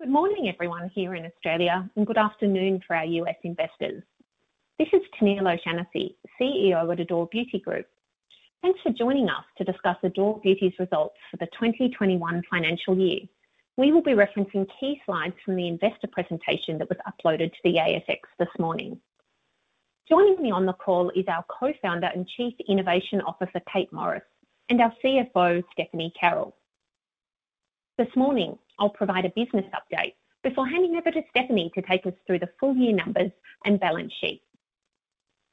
Good morning, everyone here in Australia, and good afternoon for our U.S. investors. This is Tennealle O'Shannessy, CEO at Adore Beauty Group. Thanks for joining us to discuss Adore Beauty's results for the 2021 financial year. We will be referencing key slides from the investor presentation that was uploaded to the ASX this morning. Joining me on the call is our Co-founder and Chief Innovation Officer, Kate Morris, and our CFO, Stephanie Carroll. This morning, I'll provide a business update before handing over to Stephanie to take us through the full-year numbers and balance sheet.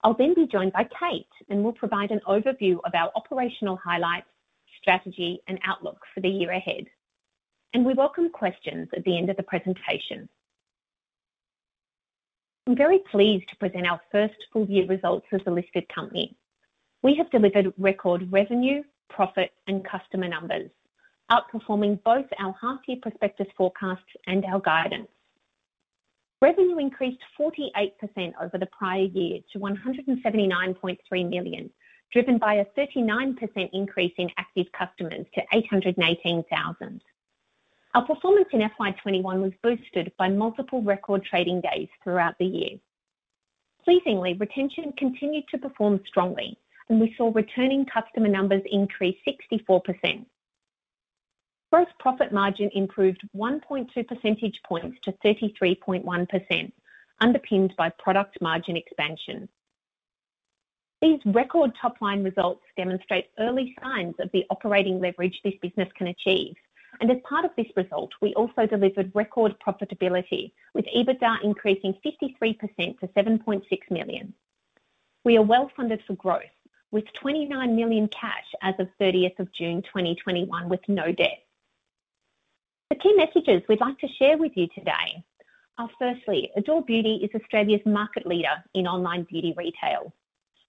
I'll then be joined by Kate, and we'll provide an overview of our operational highlights, strategy, and outlook for the year ahead. We welcome questions at the end of the presentation. I'm very pleased to present our first full-year results as a listed company. We have delivered record revenue, profit, and customer numbers, outperforming both our half-year prospectus forecasts and our guidance. Revenue increased 48% over the prior year to 179.3 million, driven by a 39% increase in active customers to 818,000. Our performance in FY 2021 was boosted by multiple record trading days throughout the year. Pleasingly, retention continued to perform strongly, and we saw returning customer numbers increase 64%. Gross profit margin improved 1.2 percentage points to 33.1%, underpinned by product margin expansion. These record top-line results demonstrate early signs of the operating leverage this business can achieve, and as part of this result, we also delivered record profitability with EBITDA increasing 53% to 7.6 million. We are well-funded for growth, with 29 million cash as of 30th of June 2021, with no debt. The key messages we'd like to share with you today are, firstly, Adore Beauty is Australia's market leader in online beauty retail.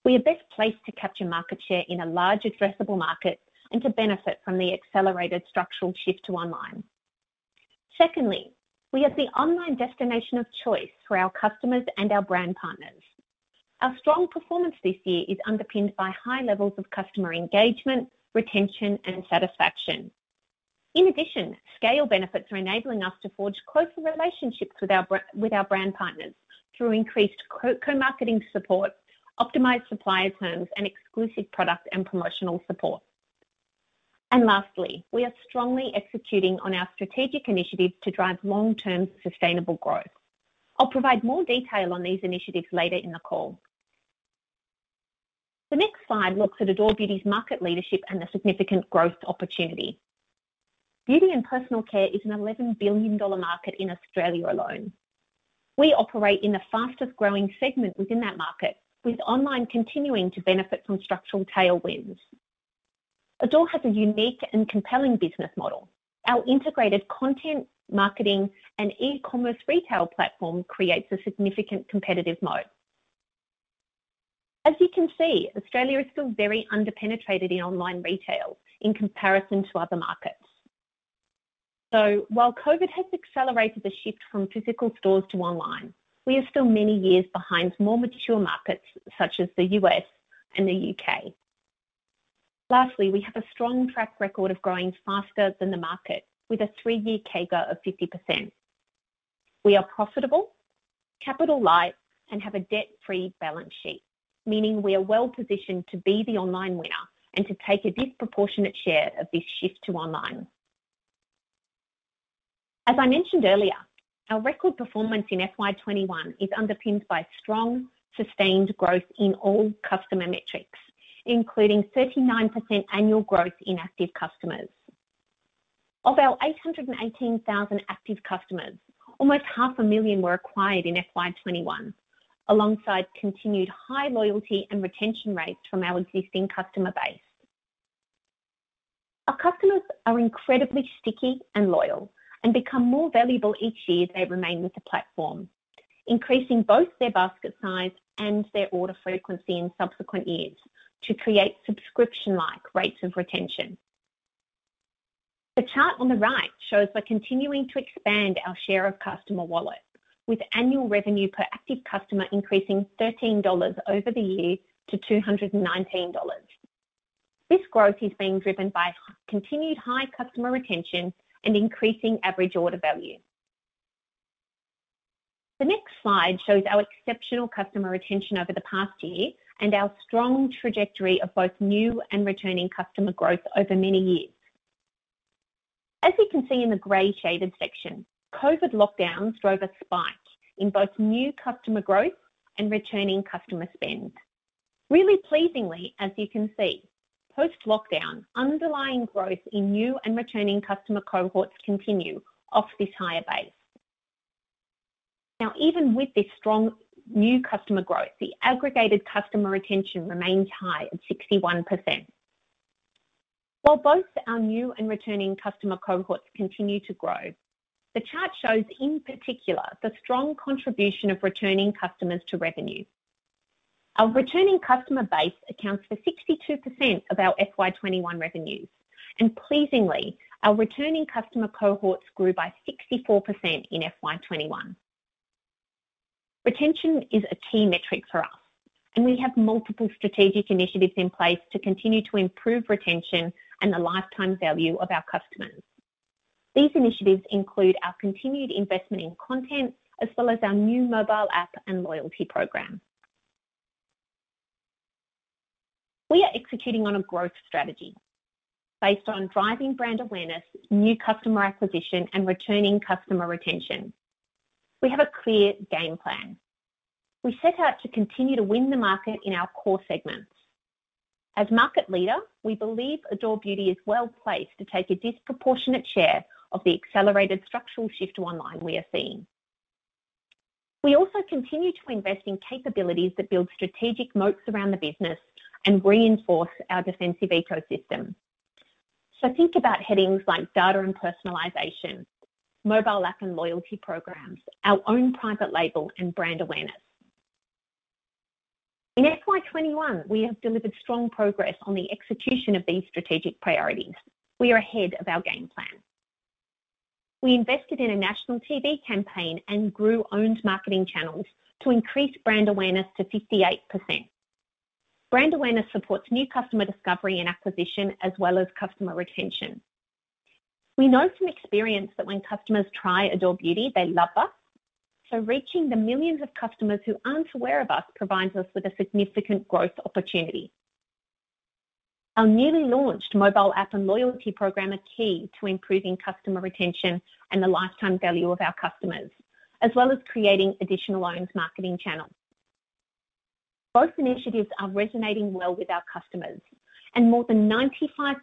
We are best placed to capture market share in a large addressable market and to benefit from the accelerated structural shift to online. Secondly, we are the online destination of choice for our customers and our brand partners. Our strong performance this year is underpinned by high levels of customer engagement, retention, and satisfaction. In addition, scale benefits are enabling us to forge closer relationships with our brand partners through increased co-marketing support, optimized supplier terms, and exclusive product and promotional support. Lastly, we are strongly executing on our strategic initiatives to drive long-term sustainable growth. I'll provide more detail on these initiatives later in the call. The next slide looks at Adore Beauty's market leadership and the significant growth opportunity. Beauty and personal care is an 11 billion dollar market in Australia alone. We operate in the fastest-growing segment within that market, with online continuing to benefit from structural tailwinds. Adore has a unique and compelling business model. Our integrated content, marketing, and e-commerce retail platform creates a significant competitive moat. As you can see, Australia is still very under-penetrated in online retail in comparison to other markets. While COVID-19 has accelerated the shift from physical stores to online, we are still many years behind more mature markets such as the U.S. and the U.K. Lastly, we have a strong track record of growing faster than the market with a three year CAGR of 50%. We are profitable, capital light, and have a debt-free balance sheet, meaning we are well-positioned to be the online winner and to take a disproportionate share of this shift to online. As I mentioned earlier, our record performance in FY 2021 is underpinned by strong, sustained growth in all customer metrics, including 39% annual growth in active customers. Of our 818,000 active customers, almost half a million were acquired in FY 2021, alongside continued high loyalty and retention rates from our existing customer base. Our customers are incredibly sticky and loyal and become more valuable each year they remain with the platform, increasing both their basket size and their order frequency in subsequent years to create subscription-like rates of retention. The chart on the right shows we're continuing to expand our share of customer wallet with annual revenue per active customer increasing 13 dollars over the year to 219 dollars. This growth is being driven by continued high customer retention and increasing average order value. The next slide shows our exceptional customer retention over the past year and our strong trajectory of both new and returning customer growth over many years. As you can see in the gray shaded section, COVID lockdowns drove a spike in both new customer growth and returning customer spend. Really pleasingly, as you can see, post-lockdown, underlying growth in new and returning customer cohorts continue off this higher base. Even with this strong new customer growth, the aggregated customer retention remains high at 61%. While both our new and returning customer cohorts continue to grow, the chart shows in particular the strong contribution of returning customers to revenue. Our returning customer base accounts for 62% of our FY 2021 revenues. Pleasingly, our returning customer cohorts grew by 64% in FY 2021. Retention is a key metric for us. We have multiple strategic initiatives in place to continue to improve retention and the lifetime value of our customers. These initiatives include our continued investment in content, as well as our new mobile app and loyalty program. We are executing on a growth strategy based on driving brand awareness, new customer acquisition, and returning customer retention. We have a clear game plan. We set out to continue to win the market in our core segments. As market leader, we believe Adore Beauty is well-placed to take a disproportionate share of the accelerated structural shift to online we are seeing. We also continue to invest in capabilities that build strategic moats around the business and reinforce our defensive ecosystem. Think about headings like data and personalization, mobile app and loyalty programs, our own private label, and brand awareness. In FY 2021, we have delivered strong progress on the execution of these strategic priorities. We are ahead of our game plan. We invested in a national TV campaign and grew owned marketing channels to increase brand awareness to 58%. Brand awareness supports new customer discovery and acquisition, as well as customer retention. We know from experience that when customers try Adore Beauty, they love us. Reaching the millions of customers who aren't aware of us provides us with a significant growth opportunity. Our newly launched mobile app and loyalty program are key to improving customer retention and the lifetime value of our customers, as well as creating additional owned marketing channels. Both initiatives are resonating well with our customers, and more than 95%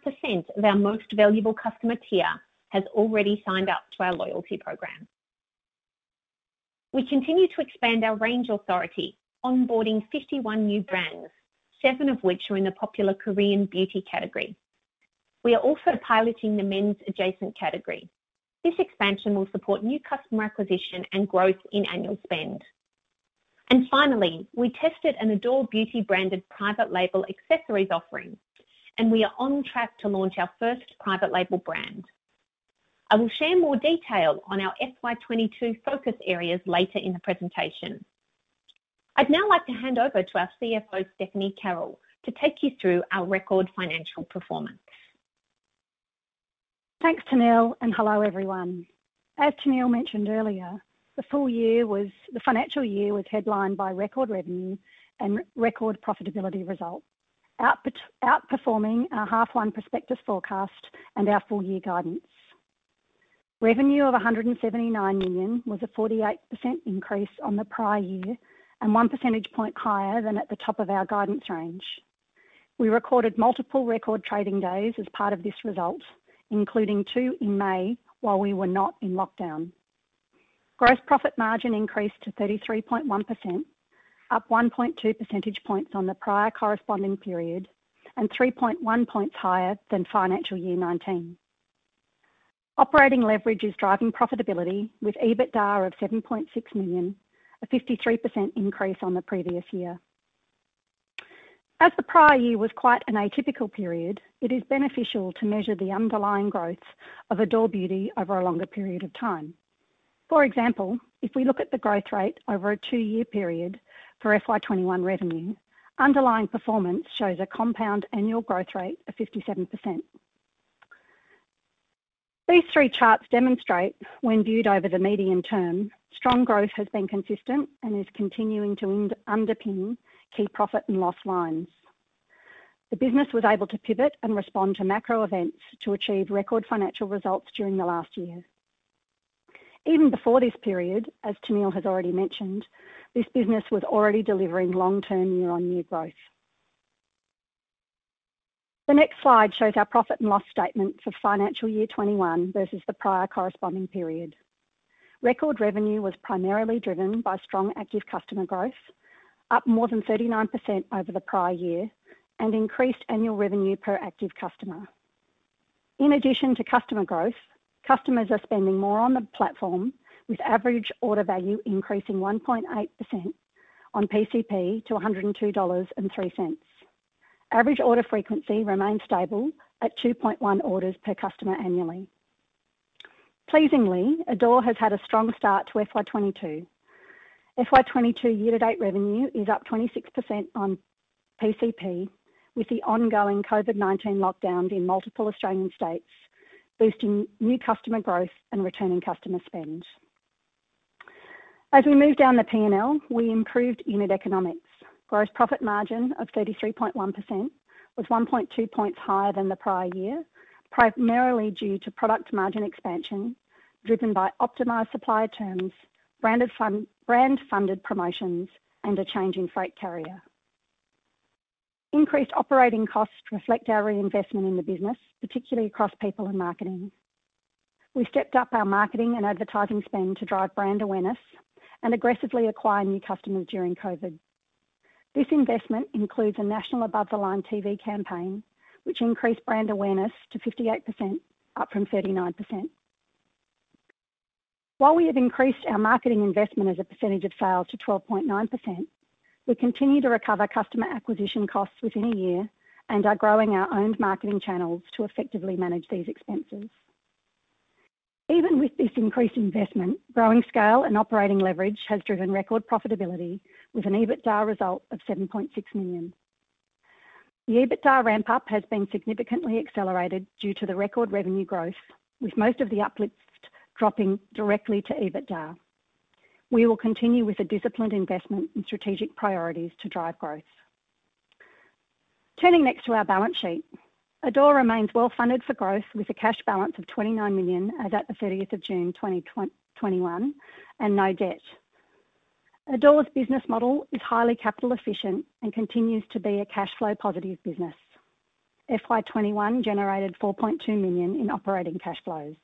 of our most valuable customer tier has already signed up to our loyalty program. We continue to expand our range authority, onboarding 51 new brands, seven of which are in the popular Korean beauty category. We are also piloting the men's adjacent category. This expansion will support new customer acquisition and growth in annual spend. Finally, we tested an Adore Beauty-branded private label accessories offering, and we are on track to launch our first private label brand. I will share more detail on our FY 2022 focus areas later in the presentation. I'd now like to hand over to our CFO, Stephanie Carroll, to take you through our record financial performance. Thanks, Tennealle, and hello, everyone. As Tennealle mentioned earlier, the financial year was headlined by record revenue and record profitability results, outperforming our half one prospectus forecast and our full-year guidance. Revenue of 179 million was a 48% increase on the prior year and one percentage point higher than at the top of our guidance range. We recorded multiple record trading days as part of this result, including two in May while we were not in lockdown. Gross profit margin increased to 33.1%, up 1.2 percentage points on the prior corresponding period and 3.1 points higher than FY 2019. Operating leverage is driving profitability with EBITDA of 7.6 million, a 53% increase on the previous year. As the prior year was quite an atypical period, it is beneficial to measure the underlying growth of Adore Beauty over a longer period of time. For example, if we look at the growth rate over a two year period for FY21 revenue, underlying performance shows a compound annual growth rate of 57%. These three charts demonstrate, when viewed over the medium-term, strong growth has been consistent and is continuing to underpin key profit and loss lines. The business was able to pivot and respond to macro events to achieve record financial results during the last year. Even before this period, as Tennealle has already mentioned, this business was already delivering long-term year-on-year growth. The next slide shows our profit and loss statement for FY 2021 versus the prior corresponding period. Record revenue was primarily driven by strong active customer growth, up more than 39% over the prior year, and increased annual revenue per active customer. In addition to customer growth, customers are spending more on the platform, with average order value increasing 1.8% on PCP to 102.03 dollars. Average order frequency remains stable at 2.1 orders per customer annually. Pleasingly, Adore has had a strong start to FY 2022. FY 2022 year-to-date revenue is up 26% on PCP with the ongoing COVID-19 lockdowns in multiple Australian states, boosting new customer growth and returning customer spend. As we move down the P&L, we improved unit economics. Gross profit margin of 33.1% was 1.2 points higher than the prior year, primarily due to product margin expansion, driven by optimized supply terms, brand-funded promotions, and a change in freight carrier. Increased operating costs reflect our reinvestment in the business, particularly across people and marketing. We stepped up our marketing and advertising spend to drive brand awareness and aggressively acquire new customers during COVID. This investment includes a national above-the-line TV campaign, which increased brand awareness to 58%, up from 39%. While we have increased our marketing investment as a percentage of sales to 12.9%, we continue to recover customer acquisition costs within a year and are growing our owned marketing channels to effectively manage these expenses. Even with this increased investment, growing scale and operating leverage has driven record profitability with an EBITDA result of 7.6 million. The EBITDA ramp-up has been significantly accelerated due to the record revenue growth, with most of the uplifts dropping directly to EBITDA. We will continue with a disciplined investment in strategic priorities to drive growth. Turning next to our balance sheet. Adore remains well-funded for growth, with a cash balance of 29 million as at the 30th of June 2021 and no debt. Adore's business model is highly capital efficient and continues to be a cash flow positive business. FY 2021 generated 4.2 million in operating cash flows.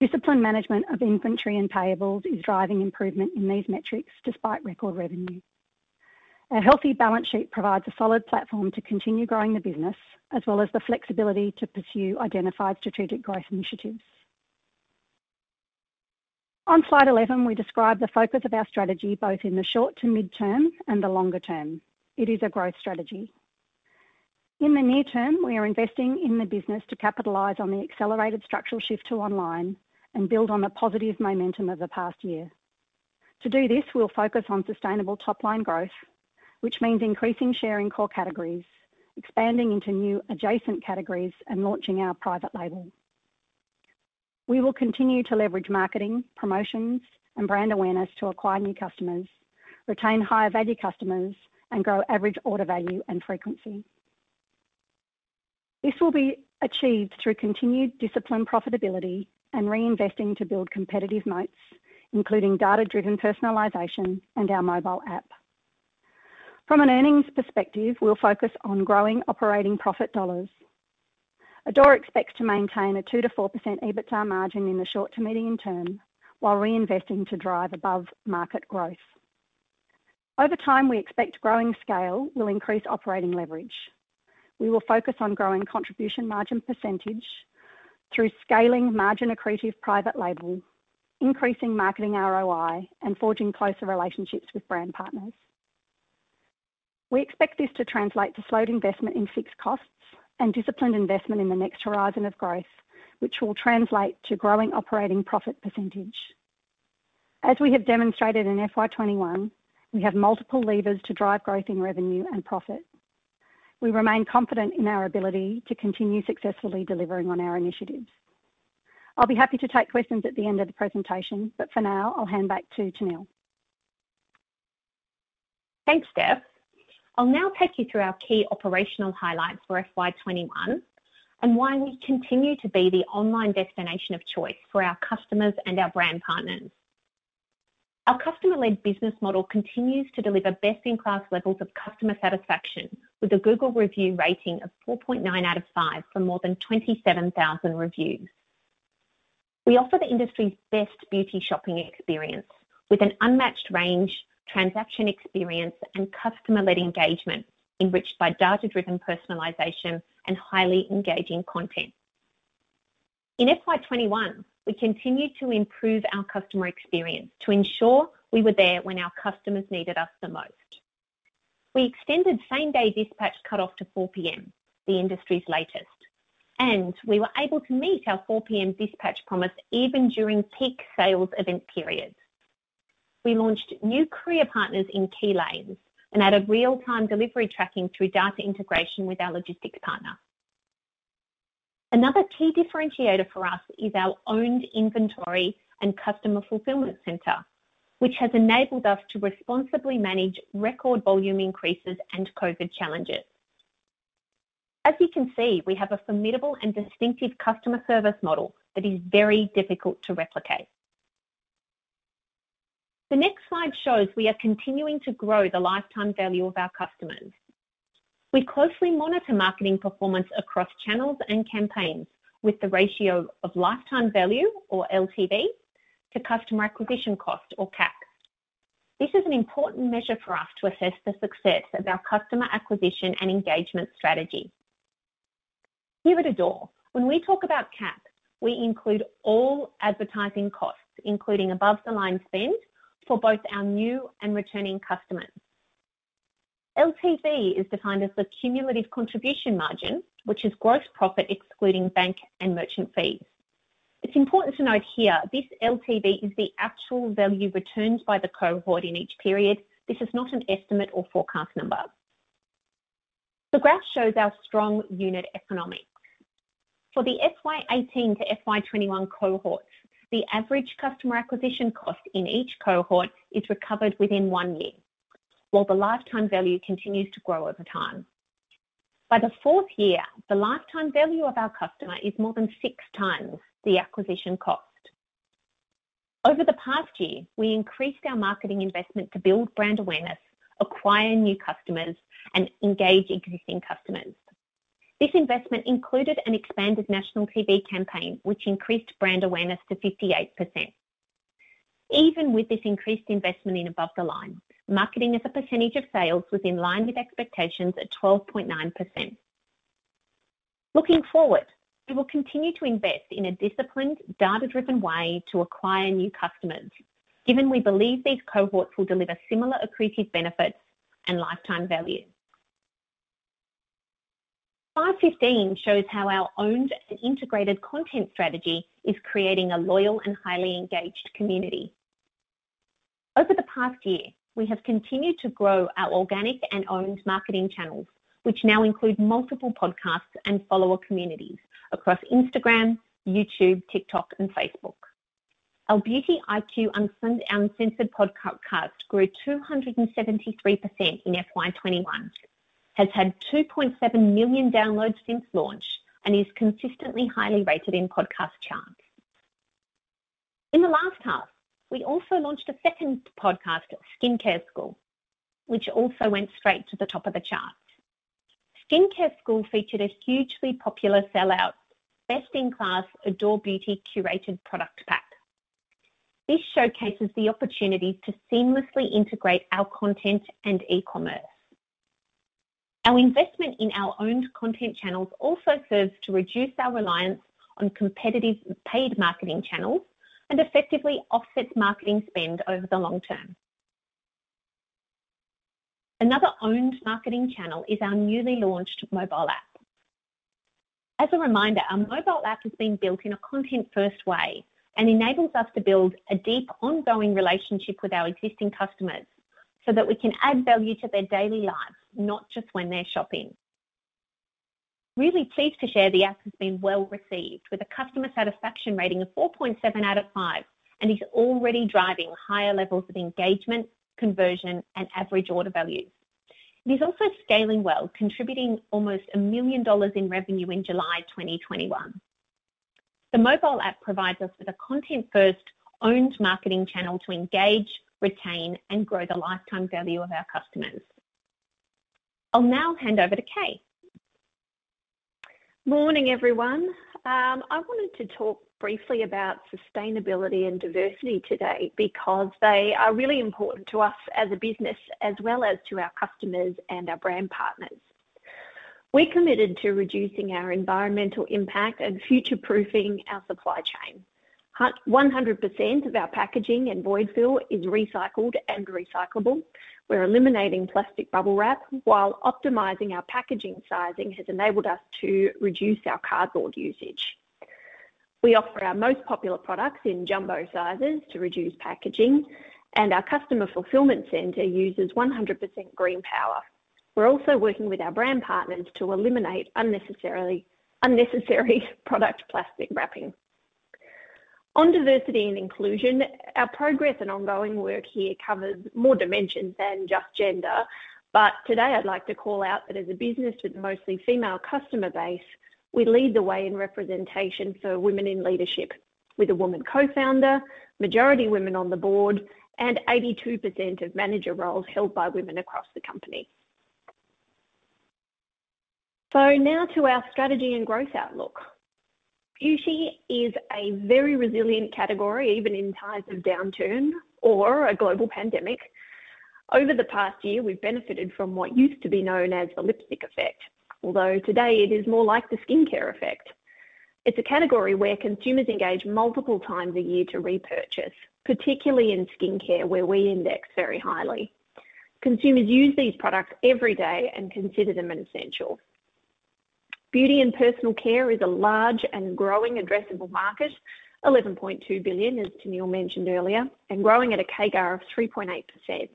Disciplined management of inventory and payables is driving improvement in these metrics despite record revenue. A healthy balance sheet provides a solid platform to continue growing the business, as well as the flexibility to pursue identified strategic growth initiatives. On slide 11, we describe the focus of our strategy both in the short to midterm and the longer term. It is a growth strategy. In the near term, we are investing in the business to capitalize on the accelerated structural shift to online and build on the positive momentum of the past year. To do this, we'll focus on sustainable top-line growth, which means increasing share in core categories, expanding into new adjacent categories, and launching our private label. We will continue to leverage marketing, promotions, and brand awareness to acquire new customers, retain higher-value customers, and grow average order value and frequency. This will be achieved through continued disciplined profitability and reinvesting to build competitive moats, including data-driven personalization and our mobile app. From an earnings perspective, we'll focus on growing operating profit dollars. Adore expects to maintain a 2%-4% EBITDA margin in the short to medium-term, while reinvesting to drive above-market growth. Over time, we expect growing scale will increase operating leverage. We will focus on growing contribution margin percentage through scaling margin-accretive private label, increasing marketing ROI, and forging closer relationships with brand partners. We expect this to translate to slowed investment in fixed costs and disciplined investment in the next horizon of growth, which will translate to growing operating profit percentage. As we have demonstrated in FY 2021, we have multiple levers to drive growth in revenue and profit. We remain confident in our ability to continue successfully delivering on our initiatives. I'll be happy to take questions at the end of the presentation, but for now, I'll hand back to Tennealle. Thanks, Steph. I'll now take you through our key operational highlights for FY 2021 and why we continue to be the online destination of choice for our customers and our brand partners. Our customer-led business model continues to deliver best-in-class levels of customer satisfaction, with a Google Review rating of 4.9 out of 5 from more than 27,000 reviews. We offer the industry's best beauty shopping experience, with an unmatched range, transaction experience, and customer-led engagement, enriched by data-driven personalization and highly engaging content. In FY 2021, we continued to improve our customer experience to ensure we were there when our customers needed us the most. We extended same-day dispatch cutoff to 4:00 P.M., the industry's latest, and we were able to meet our 4:00 P.M. dispatch promise even during peak sales event periods. We launched new courier partners in key lanes and added real-time delivery tracking through data integration with our logistics partner. Another key differentiator for us is our owned inventory and customer fulfillment center, which has enabled us to responsibly manage record volume increases and COVID challenges. As you can see, we have a formidable and distinctive customer service model that is very difficult to replicate. The next slide shows we are continuing to grow the lifetime value of our customers. We closely monitor marketing performance across channels and campaigns with the ratio of lifetime value, or LTV, to customer acquisition cost, or CAC. This is an important measure for us to assess the success of our customer acquisition and engagement strategy. Here at Adore, when we talk about CAC, we include all advertising costs, including above-the-line spend for both our new and returning customers. LTV is defined as the cumulative contribution margin, which is gross profit excluding bank and merchant fees. It's important to note here this LTV is the actual value returned by the cohort in each period. This is not an estimate or forecast number. The graph shows our strong unit economics. For the FY 2018 to FY 2021 cohorts, the average customer acquisition cost in each cohort is recovered within one year, while the lifetime value continues to grow over time. By the fourth year, the lifetime value of our customer is more than six times the acquisition cost. Over the past year, we increased our marketing investment to build brand awareness, acquire new customers, and engage existing customers. This investment included an expanded national TV campaign, which increased brand awareness to 58%. Even with this increased investment in above the line, marketing as a percentage of sales was in line with expectations at 12.9%. Looking forward, we will continue to invest in a disciplined, data-driven way to acquire new customers, given we believe these cohorts will deliver similar accretive benefits and lifetime value. Slide 15 shows how our owned and integrated content strategy is creating a loyal and highly engaged community. Over the past year, we have continued to grow our organic and owned marketing channels, which now include multiple podcasts and follower communities across Instagram, YouTube, TikTok, and Facebook. Our Beauty IQ Uncensored podcast grew 273% in FY 2021, has had 2.7 million downloads since launch, and is consistently highly rated in podcast charts. In the last half, we also launched a second podcast, Skincare School, which also went straight to the top of the charts. Skincare School featured a hugely popular sellout, best-in-class, Adore Beauty curated product pack. This showcases the opportunity to seamlessly integrate our content and e-commerce. Our investment in our owned content channels also serves to reduce our reliance on competitive paid marketing channels and effectively offsets marketing spend over the long term. Another owned marketing channel is our newly launched mobile app. As a reminder, our mobile app has been built in a content-first way and enables us to build a deep, ongoing relationship with our existing customers so that we can add value to their daily lives, not just when they're shopping. Really pleased to share the app has been well-received with a customer satisfaction rating of 4.7 out of 5, and is already driving higher levels of engagement, conversion, and average order values. It is also scaling well, contributing almost 1 million dollars in revenue in July 2021. The mobile app provides us with a content-first owned marketing channel to engage, retain, and grow the lifetime value of our customers. I'll now hand over to Kate. Morning, everyone. I wanted to talk briefly about sustainability and diversity today because they are really important to us as a business, as well as to our customers and our brand partners. We're committed to reducing our environmental impact and future-proofing our supply chain. 100% of our packaging and void fill is recycled and recyclable. We're eliminating plastic bubble wrap while optimizing our packaging sizing has enabled us to reduce our cardboard usage. We offer our most popular products in jumbo sizes to reduce packaging, and our customer fulfillment center uses 100% green power. We're also working with our brand partners to eliminate unnecessary product plastic wrapping. On diversity and inclusion, our progress and ongoing work here covers more dimensions than just gender. Today, I'd like to call out that as a business with a mostly female customer base, we lead the way in representation for women in leadership with a woman co-founder, majority women on the board, and 82% of manager roles held by women across the company. Now to our strategy and growth outlook. Beauty is a very resilient category, even in times of downturn or a global pandemic. Over the past year, we've benefited from what used to be known as the lipstick effect. Although today it is more like the skincare effect. It's a category where consumers engage multiple times a year to repurchase, particularly in skincare, where we index very highly. Consumers use these products every day and consider them an essential. Beauty and personal care is a large and growing addressable market, 11.2 billion, as Tennealle mentioned earlier, and growing at a CAGR of 3.8%.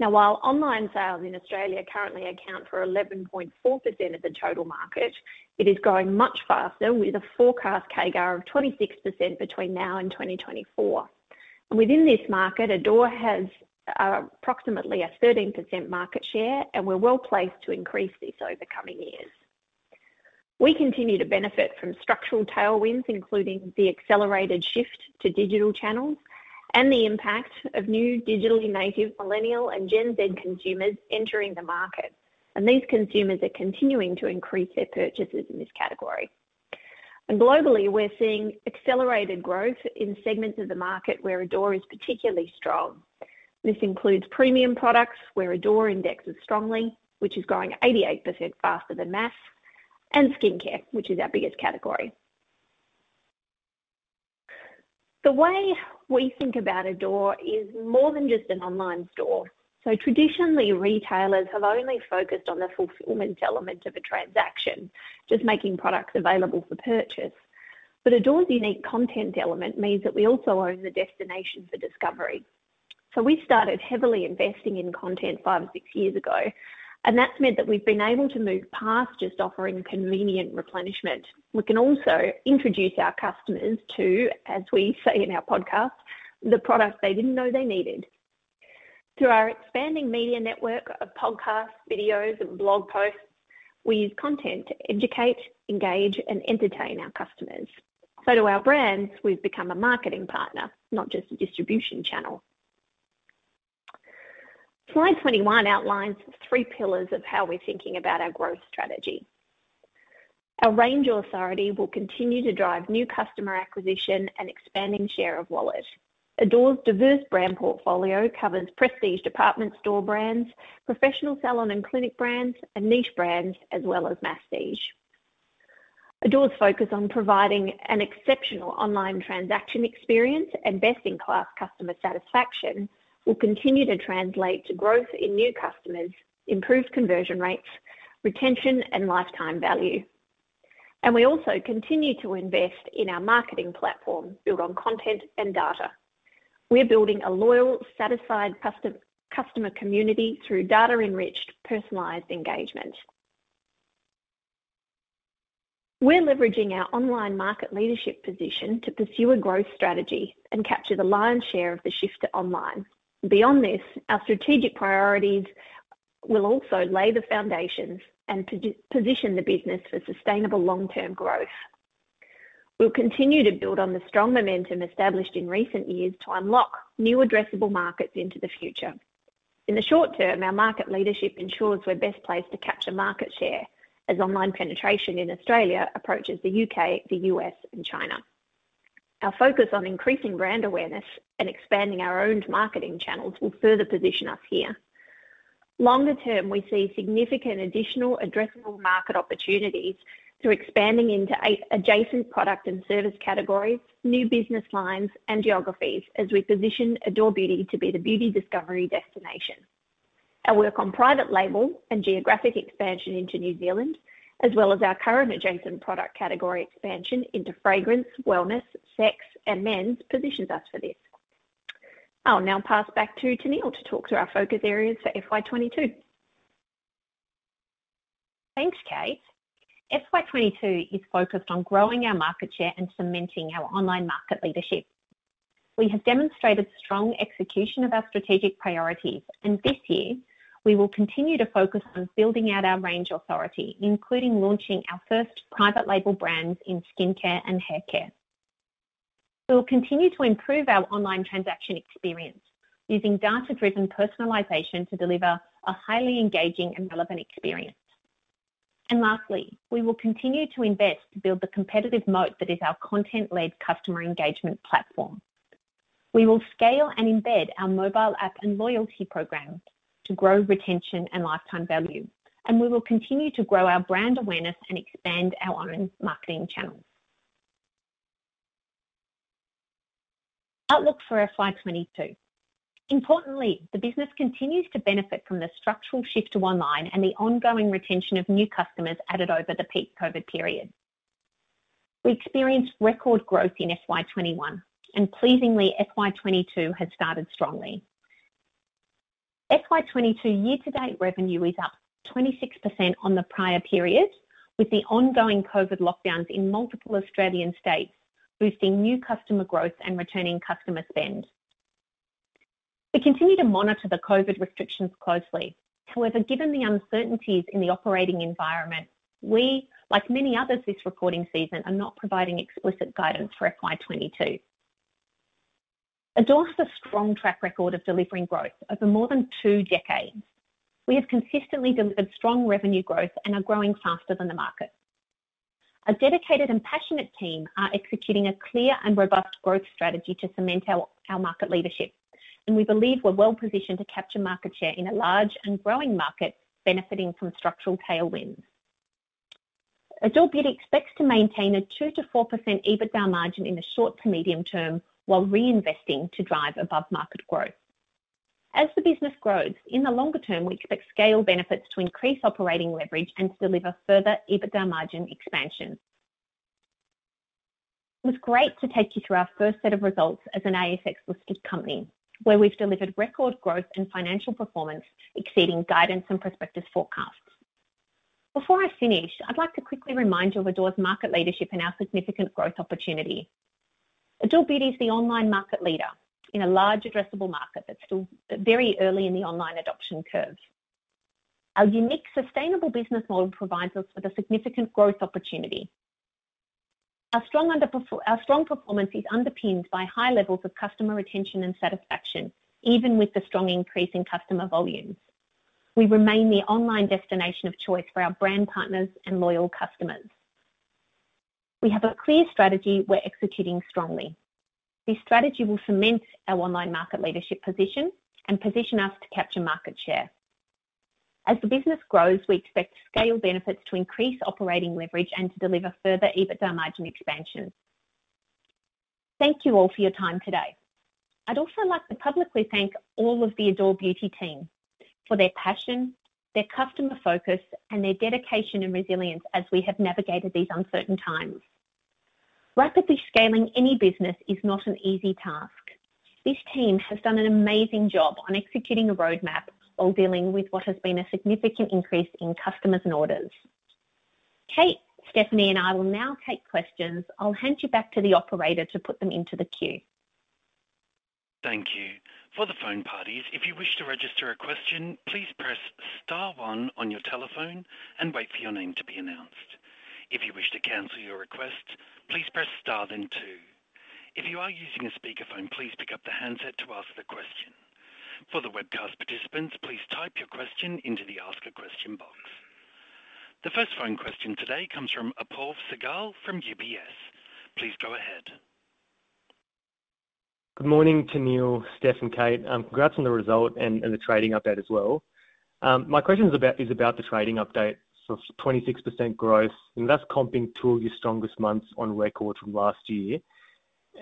Now, while online sales in Australia currently account for 11.4% of the total market, it is growing much faster with a forecast CAGR of 26% between now and 2024. Within this market, Adore has approximately a 13% market share, and we're well-placed to increase this over coming years. We continue to benefit from structural tailwinds, including the accelerated shift to digital channels and the impact of new digitally native millennial and Gen Z consumers entering the market. These consumers are continuing to increase their purchases in this category. Globally, we're seeing accelerated growth in segments of the market where Adore is particularly strong. This includes premium products, where Adore indexes strongly, which is growing 88% faster than mass, and skincare, which is our biggest category. The way we think about Adore is more than just an online store. Traditionally, retailers have only focused on the fulfillment element of a transaction, just making products available for purchase. Adore's unique content element means that we also own the destination for discovery. We started heavily investing in content five years or six years ago, and that's meant that we've been able to move past just offering convenient replenishment. We can also introduce our customers to, as we say in our podcast, the products they didn't know they needed. Through our expanding media network of podcasts, videos, and blog posts, we use content to educate, engage, and entertain our customers. To our brands, we've become a marketing partner, not just a distribution channel. Slide 21 outlines three pillars of how we're thinking about our growth strategy. Our range authority will continue to drive new customer acquisition and expanding share of wallet. Adore's diverse brand portfolio covers prestige department store brands, professional salon and clinic brands, and niche brands, as well as masstige. Adore's focus on providing an exceptional online transaction experience and best-in-class customer satisfaction will continue to translate to growth in new customers, improved conversion rates, retention, and lifetime value. We also continue to invest in our marketing platform built on content and data. We're building a loyal, satisfied customer community through data-enriched personalized engagement. We're leveraging our online market leadership position to pursue a growth strategy and capture the lion's share of the shift to online. Beyond this, our strategic priorities will also lay the foundations and position the business for sustainable long-term growth. We'll continue to build on the strong momentum established in recent years to unlock new addressable markets into the future. In the short term, our market leadership ensures we're best placed to capture market share as online penetration in Australia approaches the U.K., the U.S., and China. Our focus on increasing brand awareness and expanding our own marketing channels will further position us here. Longer term, we see significant additional addressable market opportunities through expanding into adjacent product and service categories, new business lines, and geographies as we position Adore Beauty to be the beauty discovery destination. Our work on private label and geographic expansion into New Zealand, as well as our current adjacent product category expansion into fragrance, wellness, sex, and men's positions us for this. I'll now pass back to Tennealle to talk through our focus areas for FY 2022. Thanks, Kate. FY 2022 is focused on growing our market share and cementing our online market leadership. We have demonstrated strong execution of our strategic priorities and this year we will continue to focus on building out our range authority, including launching our first private label brands in skincare and haircare. We'll continue to improve our online transaction experience using data-driven personalization to deliver a highly engaging and relevant experience. Lastly, we will continue to invest to build the competitive moat that is our content-led customer engagement platform. We will scale and embed our mobile app and loyalty programs to grow retention and lifetime value. We will continue to grow our brand awareness and expand our own marketing channels. Outlook for FY 2022. Importantly, the business continues to benefit from the structural shift to online and the ongoing retention of new customers added over the peak COVID-19 period. We experienced record growth in FY 2021. Pleasingly, FY 2022 has started strongly. FY 2022 year-to-date revenue is up 26% on the prior period, with the ongoing COVID lockdowns in multiple Australian states boosting new customer growth and returning customer spend. We continue to monitor the COVID restrictions closely. However, given the uncertainties in the operating environment, we, like many others this recording season, are not providing explicit guidance for FY 2022. Adore has a strong track record of delivering growth over more than two decades. We have consistently delivered strong revenue growth and are growing faster than the market. A dedicated and passionate team are executing a clear and robust growth strategy to cement our market leadership. We believe we're well-positioned to capture market share in a large and growing market benefiting from structural tailwinds. Adore Beauty expects to maintain a 2%-4% EBITDA margin in the short to medium term while reinvesting to drive above-market growth. As the business grows, in the longer term, we expect scale benefits to increase operating leverage and deliver further EBITDA margin expansion. It was great to take you through our first set of results as an ASX-listed company, where we've delivered record growth and financial performance exceeding guidance and prospectus forecasts. Before I finish, I'd like to quickly remind you of Adore's market leadership and our significant growth opportunity. Adore Beauty is the online market leader in a large addressable market that's still very early in the online adoption curve. Our unique, sustainable business model provides us with a significant growth opportunity. Our strong performance is underpinned by high levels of customer retention and satisfaction, even with the strong increase in customer volumes. We remain the online destination of choice for our brand partners and loyal customers. We have a clear strategy we're executing strongly. This strategy will cement our online market leadership position and position us to capture market share. As the business grows, we expect scale benefits to increase operating leverage and to deliver further EBITDA margin expansion. Thank you all for your time today. I'd also like to publicly thank all of the Adore Beauty team for their passion, their customer focus, and their dedication and resilience as we have navigated these uncertain times. Rapidly scaling any business is not an easy task. This team has done an amazing job on executing a roadmap while dealing with what has been a significant increase in customers and orders. Kate, Stephanie, and I will now take questions. I'll hand you back to the Operator to put them into the queue. Thank you. For the phone parties, if you wish to register a question, please press star one on your telephone and wait for your name to be announced. If you wish to cancel your request, please press star then two. If you are using a speakerphone, please pick up the handset to ask the question. For the webcast participants, please type your question into the ask a question box. The first phone question today comes from Apoorv Sehgal from UBS. Please go ahead. Good morning to Tennealle, Steph, and Kate. Congrats on the result and the trading update as well. My question is about the trading update. 26% growth, and that's comping two of your strongest months on record from last year.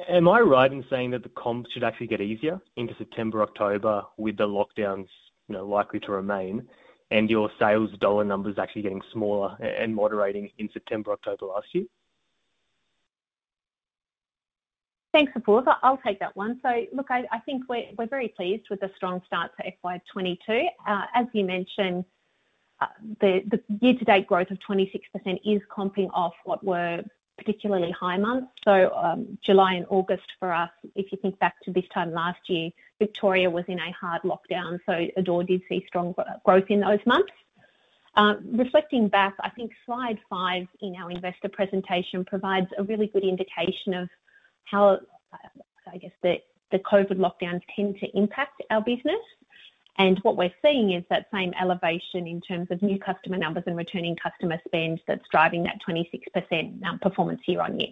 Am I right in saying that the comps should actually get easier into September, October with the lockdowns likely to remain and your sales dollar numbers actually getting smaller and moderating in September, October last year? Thanks, Apoorv. I'll take that one. Look, I think we're very pleased with the strong start to FY 2022. As you mentioned, the year-to-date growth of 26% is comping off what were particularly high months. July and August for us, if you think back to this time last year, Victoria was in a hard lockdown, so Adore did see strong growth in those months. Reflecting back, I think slide five in our investor presentation provides a really good indication of how the COVID lockdowns tend to impact our business. What we're seeing is that same elevation in terms of new customer numbers and returning customer spend that's driving that 26% performance year-on-year.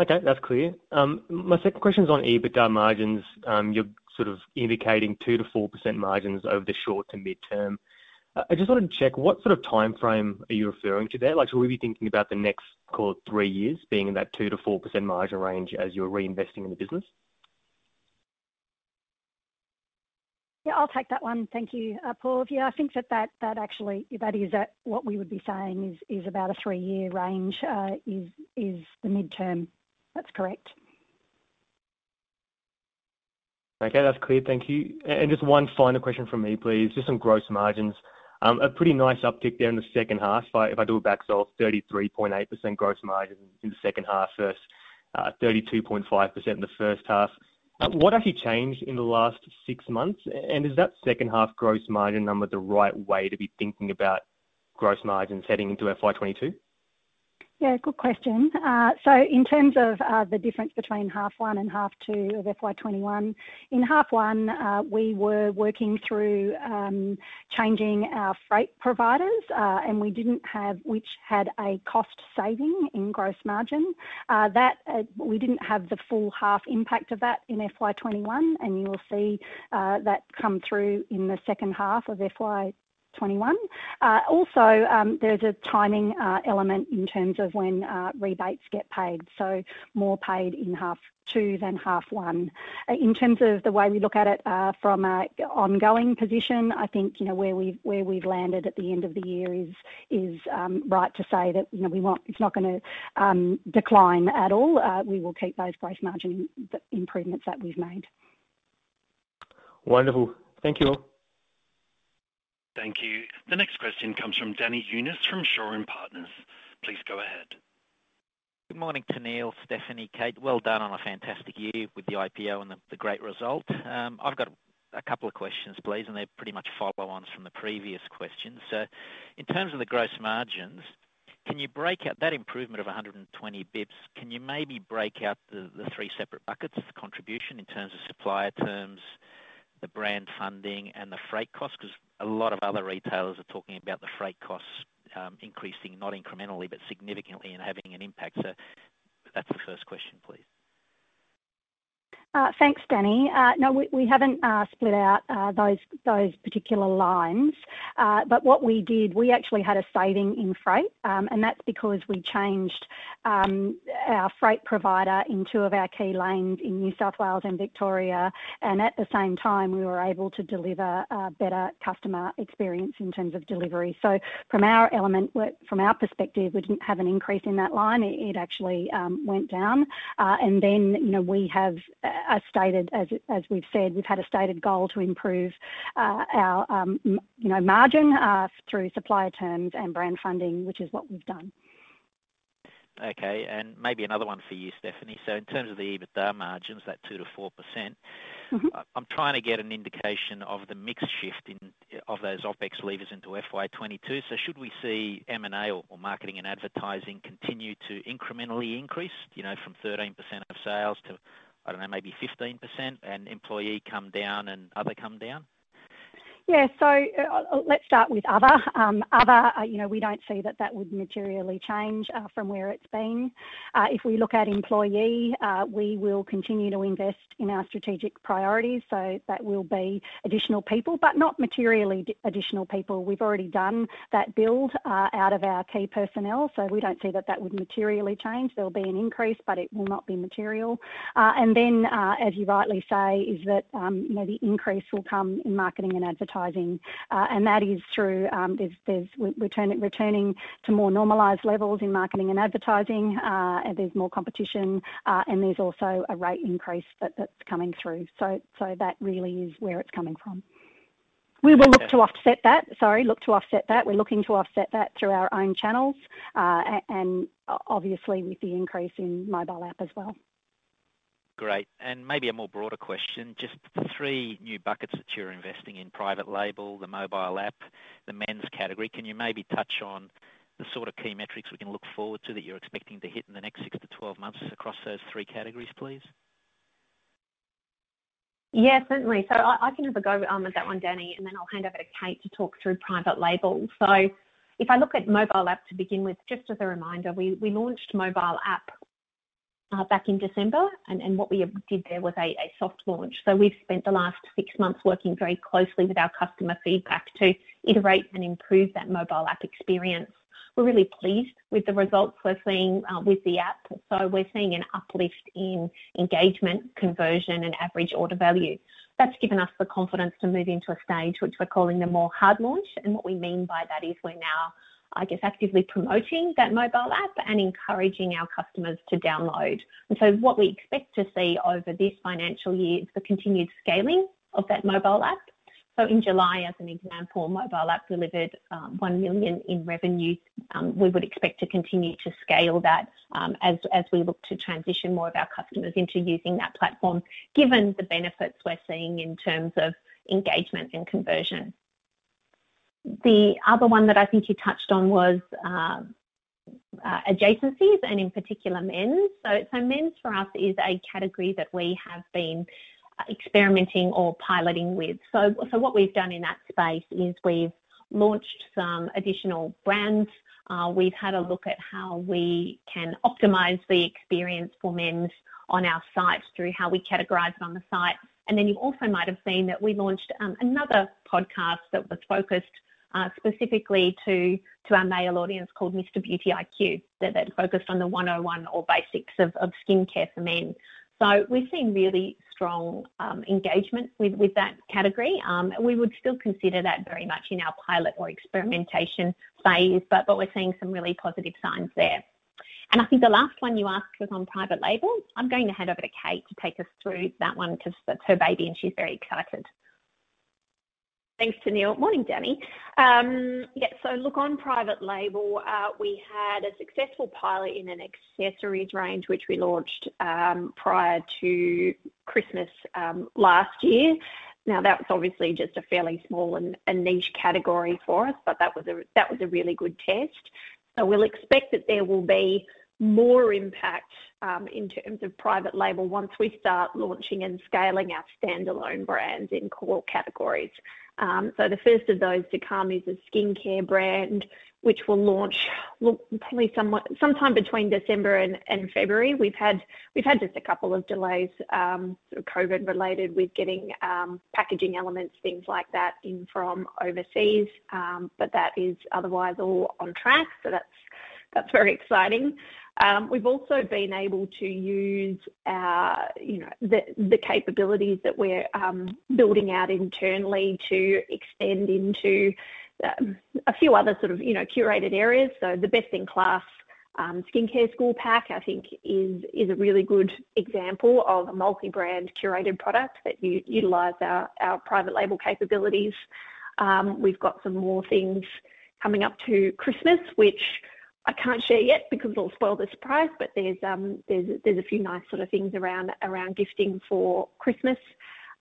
Okay. That's clear. My second question is on EBITDA margins. You're sort of indicating 2%-4% margins over the short to midterm. I just wanted to check, what sort of timeframe are you referring to there? Should we be thinking about the next, call it three years, being in that 2%-4% margin range as you're reinvesting in the business? Yeah, I'll take that one. Thank you. Apoorv, yeah, I think that is what we would be saying is about a three-year range is the midterm. That's correct. Okay. That's clear. Thank you. Just one final question from me, please. Just on gross margins. A pretty nice uptick there in the second half. If I do a back solve, 33.8% gross margin in the second half versus 32.5% in the first half. What actually changed in the last six months? Is that second half gross margin number the right way to be thinking about gross margin heading into FY 2022? Yeah, good question. In terms of the difference between half one and half two of FY 2021, in half one, we were working through changing our freight providers, which had a cost saving in gross margin. We didn't have the full half impact of that in FY 2021, and you will see that come through in the second half of FY 2021. Also, there is a timing element in terms of when rebates get paid, so more paid in half two than half one. In terms of the way we look at it from an ongoing position, I think, where we've landed at the end of the year is right to say that it's not going to decline at all. We will keep those gross margin improvements that we've made. Wonderful. Thank you all. Thank you. The next question comes from Danny Younis from Shaw and Partners. Please go ahead. Good morning to Tennealle, Stephanie, Kate. Well done on a fantastic year with the IPO and the great result. I've got a couple of questions, please, and they pretty much follow on from the previous questions. In terms of the gross margins, that improvement of 120 basis points, can you maybe break out the three separate buckets of contribution in terms of supplier terms, the brand funding, and the freight cost? A lot of other retailers are talking about the freight costs increasing, not incrementally, but significantly and having an impact. That's the first question, please. Thanks, Danny. No, we haven't split out those particular lines. What we did, we actually had a saving in freight, and that's because we changed our freight provider in two of our key lanes in New South Wales and Victoria. At the same time, we were able to deliver a better customer experience in terms of delivery. From our perspective, we didn't have an increase in that line. It actually went down. As we've said, we've had a stated goal to improve our margin through supplier terms and brand funding, which is what we've done. Okay. Maybe another one for you, Stephanie. In terms of the EBITDA margins, that 2%-4%. I'm trying to get an indication of the mix shift of those OpEx levers into FY 2022. Should we see M&A or marketing and advertising continue to incrementally increase from 13% of sales to, I don't know, maybe 15%, and employee come down and other come down? Yeah. Let's start with other. Other, we don't see that that would materially change from where it's been. If we look at employee, we will continue to invest in our strategic priorities. That will be additional people, but not materially additional people. We've already done that build out of our key personnel, we don't see that that would materially change. There'll be an increase, but it will not be material. As you rightly say, the increase will come in marketing and advertising. That is through returning to more normalized levels in marketing and advertising. There's more competition, and there's also a rate increase that's coming through. That really is where it's coming from. We will look to offset that. Sorry, look to offset that. We're looking to offset that through our own channels, and obviously with the increase in mobile app as well. Great. maybe a more broader question. Just the three new buckets that you're investing in, private label, the mobile app, the men's category. Can you maybe touch on the sort of key metrics we can look forward to that you're expecting to hit in the next 6 months-12 months across those threee categories, please? Yeah, certainly. I can have a go at that one, Danny, and then I'll hand over to Kate to talk through private label. If I look at mobile app to begin with, just as a reminder, we launched mobile app back in December, and what we did there was a soft launch. We've spent the last six months working very closely with our customer feedback to iterate and improve that mobile app experience. We're really pleased with the results we're seeing with the app. We're seeing an uplift in engagement, conversion, and average order value. That's given us the confidence to move into a stage which we're calling the more hard launch. What we mean by that is we're now actively promoting that mobile app and encouraging our customers to download. What we expect to see over this financial year is the continued scaling of that mobile app. In July, as an example, mobile app delivered 1 million in revenue. We would expect to continue to scale that as we look to transition more of our customers into using that platform, given the benefits we're seeing in terms of engagement and conversion. The other one that I think you touched on was adjacencies, and in particular, men's. Men's for us is a category that we have been experimenting or piloting with. What we've done in that space is we've launched some additional brands. We've had a look at how we can optimize the experience for men on our site through how we categorize it on the site. You also might have seen that we launched another podcast that was focused specifically to our male audience called Mr Beauty IQ, that focused on the 101 or basics of skincare for men. We've seen really strong engagement with that category. We would still consider that very much in our pilot or experimentation phase, but we're seeing some really positive signs there. I think the last one you asked was on private label. I'm going to hand over to Kate to take us through that one, because that's her baby, and she's very excited. Thanks, Tennealle. Morning, Danny. Look, on private label, we had a successful pilot in an accessories range, which we launched prior to Christmas last year. Now, that was obviously just a fairly small and niche category for us, that was a really good test. We'll expect that there will be more impact in terms of private label once we start launching and scaling our standalone brands in core categories. The first of those to come is a skincare brand, which will launch probably sometime between December and February. We've had just a couple of delays, COVID-related, with getting packaging elements, things like that in from overseas. That is otherwise all on track, so that's very exciting. We've also been able to use the capabilities that we're building out internally to extend into a few other sort of curated areas. The Skincare School Best in Class Starter Set, I think, is a really good example of a multi-brand curated product that utilize our private label capabilities. We've got some more things coming up to Christmas, which I can't share yet because it'll spoil the surprise, but there's a few nice sort of things around gifting for Christmas.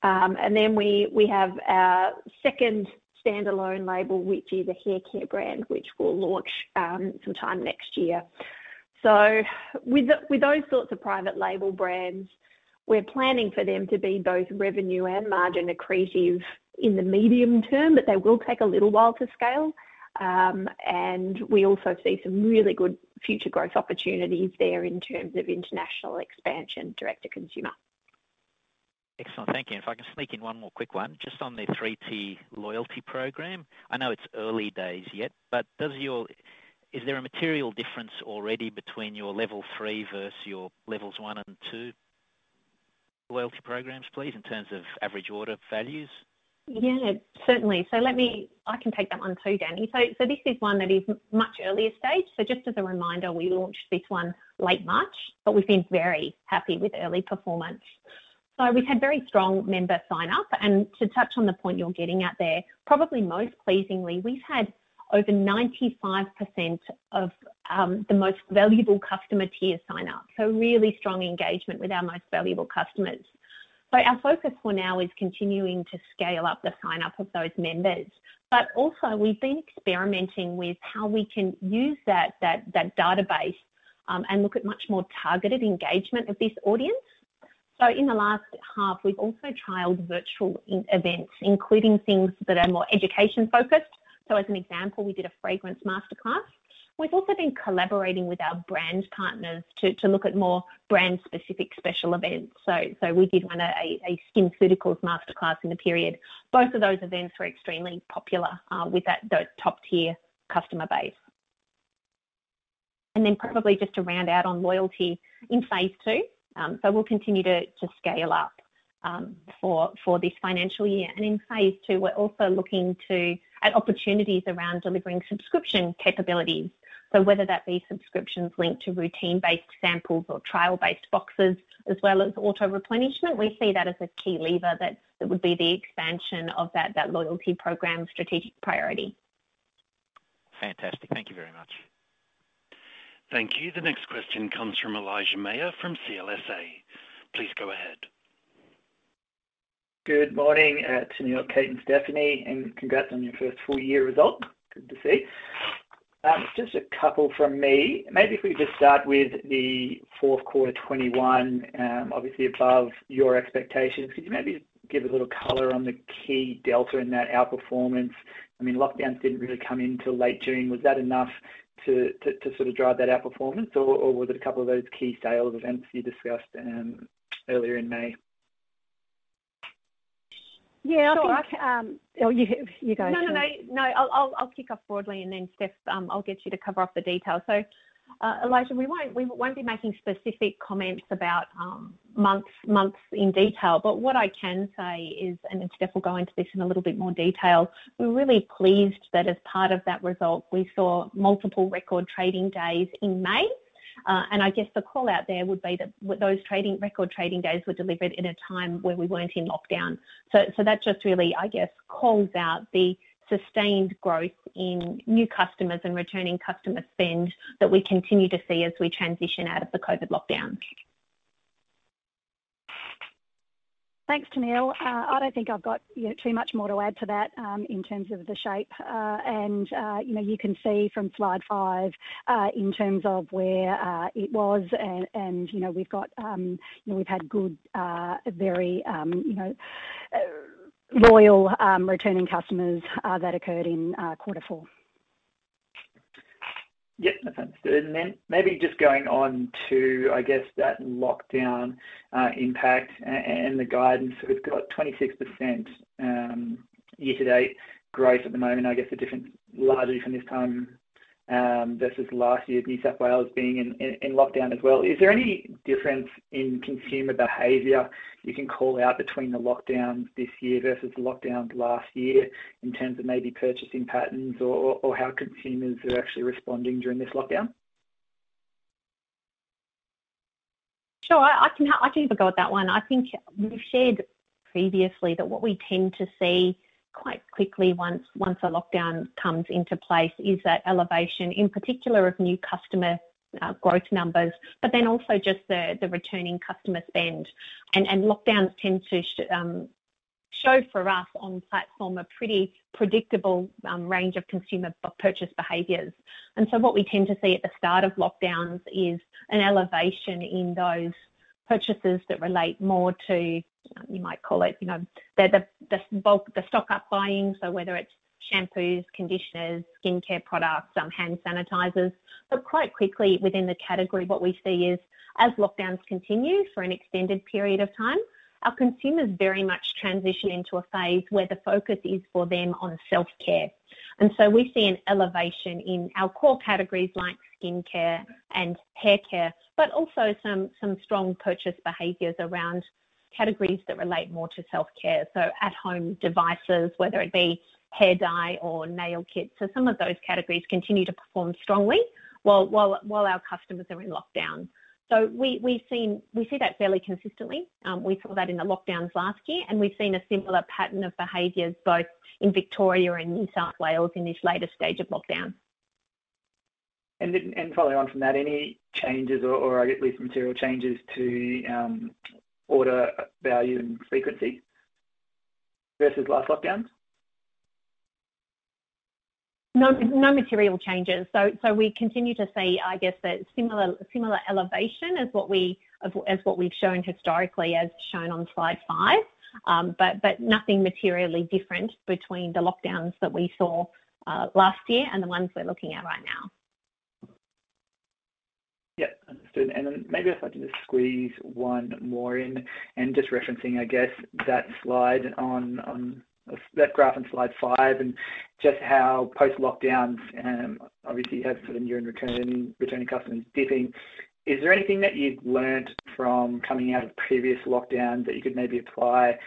Then we have our second standalone label, which is a haircare brand, which will launch sometime next year. With those sorts of private label brands, we're planning for them to be both revenue and margin accretive in the medium term, but they will take a little while to scale. We also see some really good future growth opportunities there in terms of international expansion direct to consumer. Excellent. Thank you. If I can sneak in one more quick one, just on the three-tier loyalty program. I know it's early days yet, is there a material difference already between your level three versus your levels one and two loyalty programs, please, in terms of average order values? Yeah, certainly. I can take that one, too, Danny. This is one that is much earlier stage. Just as a reminder, we launched this one late March, but we've been very happy with early performance. We've had very strong member sign-up. To touch on the point you're getting at there, probably most pleasingly, we've had over 95% of the most valuable customer tiers sign up. Really strong engagement with our most valuable customers. Our focus for now is continuing to scale up the sign-up of those members. Also we've been experimenting with how we can use that database and look at much more targeted engagement of this audience. In the last half, we've also trialed virtual events, including things that are more education-focused. As an example, we did a fragrance master class. We've also been collaborating with our brand partners to look at more brand-specific special events. We did run a SkinCeuticals master class in the period. Both of those events were extremely popular with that top-tier customer base. Then probably just to round out on loyalty. In phase II, we'll continue to scale up for this financial year. In phase II, we're also looking at opportunities around delivering subscription capabilities. Whether that be subscriptions linked to routine-based samples or trial-based boxes, as well as auto-replenishment, we see that as a key lever that would be the expansion of that loyalty program strategic priority. Fantastic. Thank you very much. Thank you. The next question comes from Elijah Mayr from CLSA. Please go ahead. Good morning, Tennealle, Kate, and Stephanie, congrats on your first full-year result. Good to see. Just a couple from me. Maybe if we just start with the fourth quarter 2021, obviously above your expectations. Could you maybe give a little color on the key delta in that outperformance? Lockdowns didn't really come in till late June. Was that enough to sort of drive that outperformance, or was it a couple of those key sales events you discussed earlier in May? Yeah. Sure. Oh, you go. No, I'll pick up broadly and then, Steph, I'll get you to cover off the details. Elijah, we won't be making specific comments about months in detail. What I can say is, and Steph will go into this in a little bit more detail, we're really pleased that as part of that result, we saw multiple record trading days in May. I guess the call-out there would be that those record trading days were delivered in a time where we weren't in lockdown. That just really, I guess, calls out the sustained growth in new customers and returning customer spend that we continue to see as we transition out of the COVID lockdown. Thanks, Tennealle. I don't think I've got too much more to add to that in terms of the shape. You can see from slide five, in terms of where it was. We've had good, very loyal returning customers that occurred in quarter four. Yep. Understood. Maybe just going on to, I guess, that lockdown impact and the guidance. We've got 26% year-to-date growth at the moment, I guess the difference largely from this time versus last year, New South Wales being in lockdown as well. Is there any difference in consumer behavior you can call out between the lockdowns this year versus the lockdowns last year, in terms of maybe purchasing patterns or how consumers are actually responding during this lockdown? Sure. I can have a go at that one. I think we've shared previously that what we tend to see quite quickly once a lockdown comes into place is that elevation, in particular, of new customer growth numbers, but then also just the returning customer spend. Lockdowns tend to show for us on platform a pretty predictable range of consumer purchase behaviors. What we tend to see at the start of lockdowns is an elevation in those purchases that relate more to, you might call it, the bulk, the stock-up buying. Whether it's shampoos, conditioners, skincare products, hand sanitizers. Quite quickly within the category, what we see is, as lockdowns continue for an extended period of time, our consumers very much transition into a phase where the focus is for them on self-care. We see an elevation in our core categories like skincare and haircare, but also some strong purchase behaviors around categories that relate more to self-care. At-home devices, whether it be hair dye or nail kits. Some of those categories continue to perform strongly while our customers are in lockdown. We see that fairly consistently. We saw that in the lockdowns last year, and we've seen a similar pattern of behaviors both in Victoria and New South Wales in this latest stage of lockdown. Following on from that, any changes or at least material changes to order value and frequency versus last lockdown? No material changes. We continue to see, I guess, a similar elevation as what we've shown historically as shown on slide five. Nothing materially different between the lockdowns that we saw last year and the ones we're looking at right now. Yep. Understood. Maybe if I could just squeeze one more in and just referencing, I guess, that graph on slide five and just how post lockdowns obviously had sort of year-end returning customers dipping. Is there anything that you've learned from coming out of previous lockdowns that you could maybe apply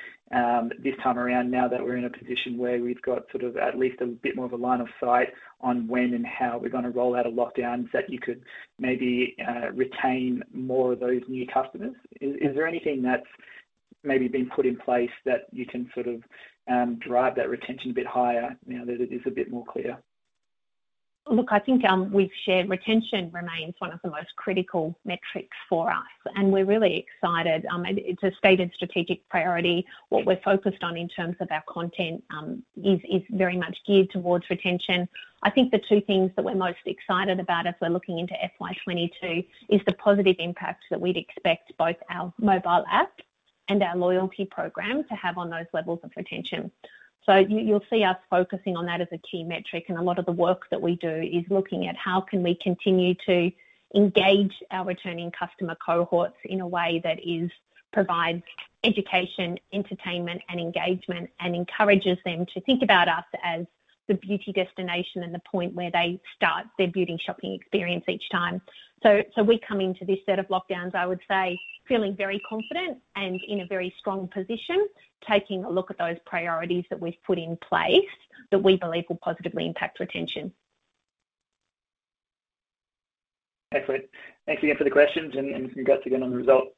this time around now that we're in a position where we've got sort of at least a bit more of a line of sight on when and how we're going to roll out of lockdowns, that you could maybe retain more of those new customers? Is there anything that's maybe been put in place that you can sort of drive that retention a bit higher now that it is a bit more clear? I think we've shared retention remains one of the most critical metrics for us. We're really excited. It's a stated strategic priority. What we're focused on in terms of our content is very much geared towards retention. I think the two things that we're most excited about as we're looking into FY 2022 is the positive impact that we'd expect both our mobile app and our loyalty program to have on those levels of retention. You'll see us focusing on that as a key metric, and a lot of the work that we do is looking at how can we continue to engage our returning customer cohorts in a way that provides education, entertainment, and engagement, and encourages them to think about us as the beauty destination and the point where they start their beauty shopping experience each time. We come into this set of lockdowns, I would say, feeling very confident and in a very strong position, taking a look at those priorities that we've put in place that we believe will positively impact retention. Excellent. Thanks again for the questions and congrats again on the result.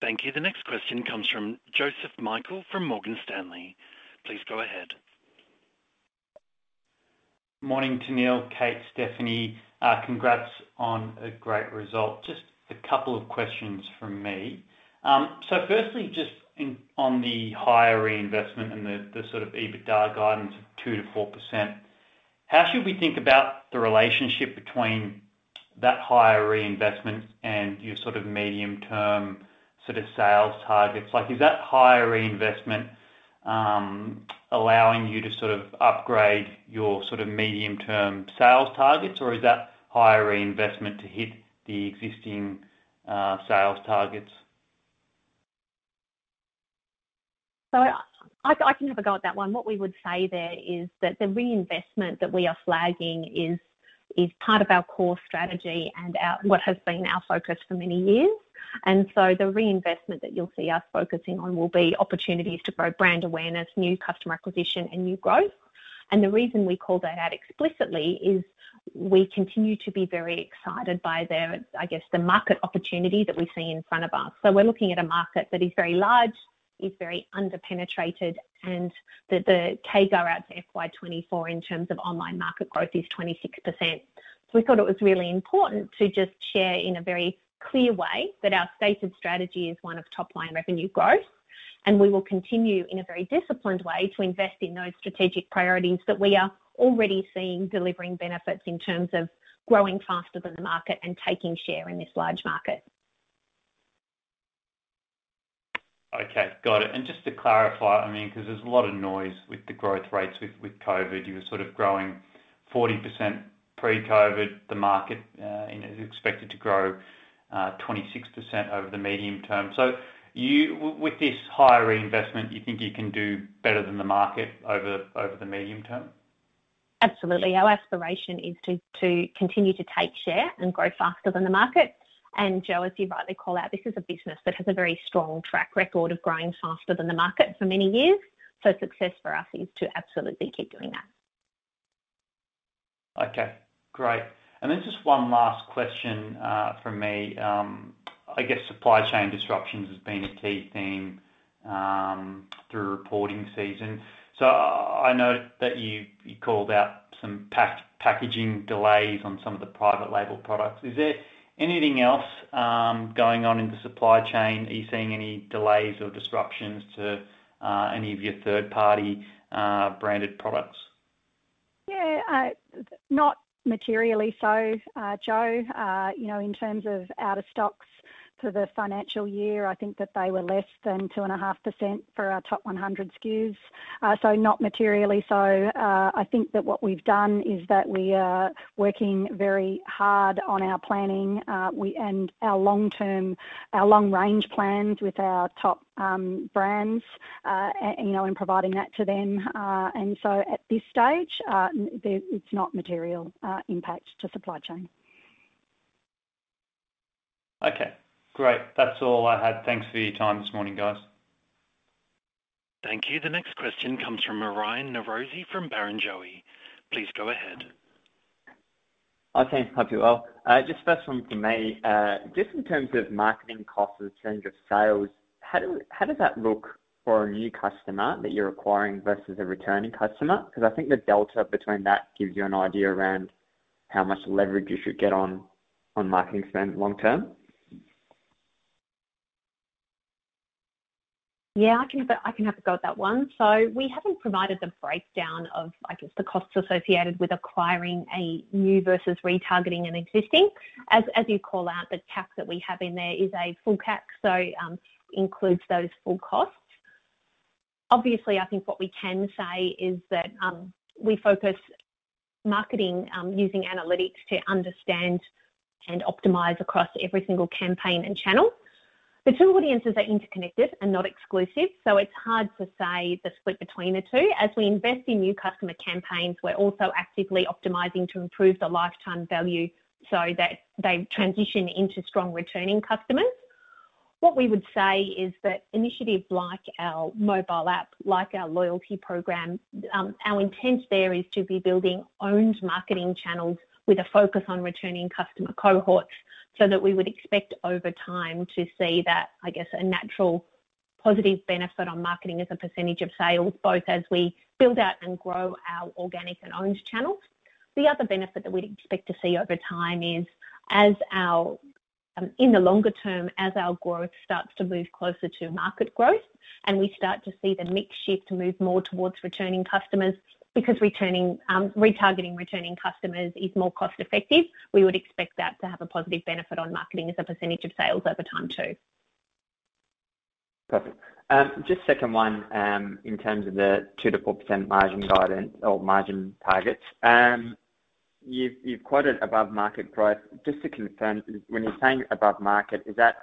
Thank you. The next question comes from Joseph Michael from Morgan Stanley. Please go ahead. Morning, Tennealle, Kate, Stephanie. Congrats on a great result. Just a couple of questions from me. Firstly, just on the higher reinvestment and the sort of EBITDA guidance of 2%-4%. How should we think about the relationship between that higher reinvestment and your medium term sort of sales targets? Is that higher reinvestment allowing you to upgrade your medium term sales targets? Is that higher reinvestment to hit the existing sales targets? I can have a go at that one. What we would say there is that the reinvestment that we are flagging is part of our core strategy and what has been our focus for many years. The reinvestment that you'll see us focusing on will be opportunities to grow brand awareness, new customer acquisition and new growth. The reason we call that out explicitly is we continue to be very excited by the market opportunity that we see in front of us. We're looking at a market that is very large, is very under-penetrated, and the CAGR out to FY 2024 in terms of online market growth is 26%. We thought it was really important to just share in a very clear way that our stated strategy is one of top line revenue growth, and we will continue in a very disciplined way to invest in those strategic priorities that we are already seeing delivering benefits in terms of growing faster than the market and taking share in this large market. Okay, got it. Just to clarify, because there's a lot of noise with the growth rates with COVID. You were sort of growing 40% pre-COVID, the market is expected to grow 26% over the medium term. With this higher reinvestment, you think you can do better than the market over the medium term? Absolutely. Our aspiration is to continue to take share and grow faster than the market. Joe, as you rightly call out, this is a business that has a very strong track record of growing faster than the market for many years. Success for us is to absolutely keep doing that. Okay, great. Just one last question from me. I guess supply chain disruptions has been a key theme through reporting season. I noted that you called out some packaging delays on some of the private label products. Is there anything else going on in the supply chain? Are you seeing any delays or disruptions to any of your third-party branded products? Yeah, not materially so, Joe. In terms of out of stocks for the financial year, I think that they were less than 2.5% for our top 100 SKUs. Not materially so. I think that what we've done is that we are working very hard on our planning, and our long range plans with our top brands, and providing that to them. At this stage, it's not material impact to supply chain. Okay, great. That's all I had. Thanks for your time this morning, guys. Thank you. The next question comes from Ryan Ghadban from Barrenjoey. Please go ahead. Thanks. Hi, Tennealle. Just first one from me. Just in terms of marketing costs as a change of sales, how does that look for a new customer that you're acquiring versus a returning customer? I think the delta between that gives you an idea around how much leverage you should get on marketing spend long term. Yeah, I can have a go at that one. We haven't provided the breakdown of, I guess, the costs associated with acquiring a new versus retargeting an existing. As you call out, the CAC that we have in there is a full CAC, so includes those full costs. Obviously, I think what we can say is that we focus marketing using analytics to understand and optimize across every single campaign and channel. The two audiences are interconnected and not exclusive, so it's hard to say the split between the two. As we invest in new customer campaigns, we're also actively optimizing to improve the lifetime value so that they transition into strong returning customers. What we would say is that initiatives like our mobile app, like our loyalty program, our intent there is to be building owned marketing channels with a focus on returning customer cohorts, so that we would expect over time to see that, I guess, a natural positive benefit on marketing as a percentage of sales, both as we build out and grow our organic and owned channels. The other benefit that we'd expect to see over time is in the longer term, as our growth starts to move closer to market growth, and we start to see the mix shift move more towards returning customers because retargeting returning customers is more cost effective. We would expect that to have a positive benefit on marketing as a percentage of sales over time too. Perfect. Just second one, in terms of the 2%-4% margin guidance or margin targets. You've quoted above market price. Just to confirm, when you're saying above market, is that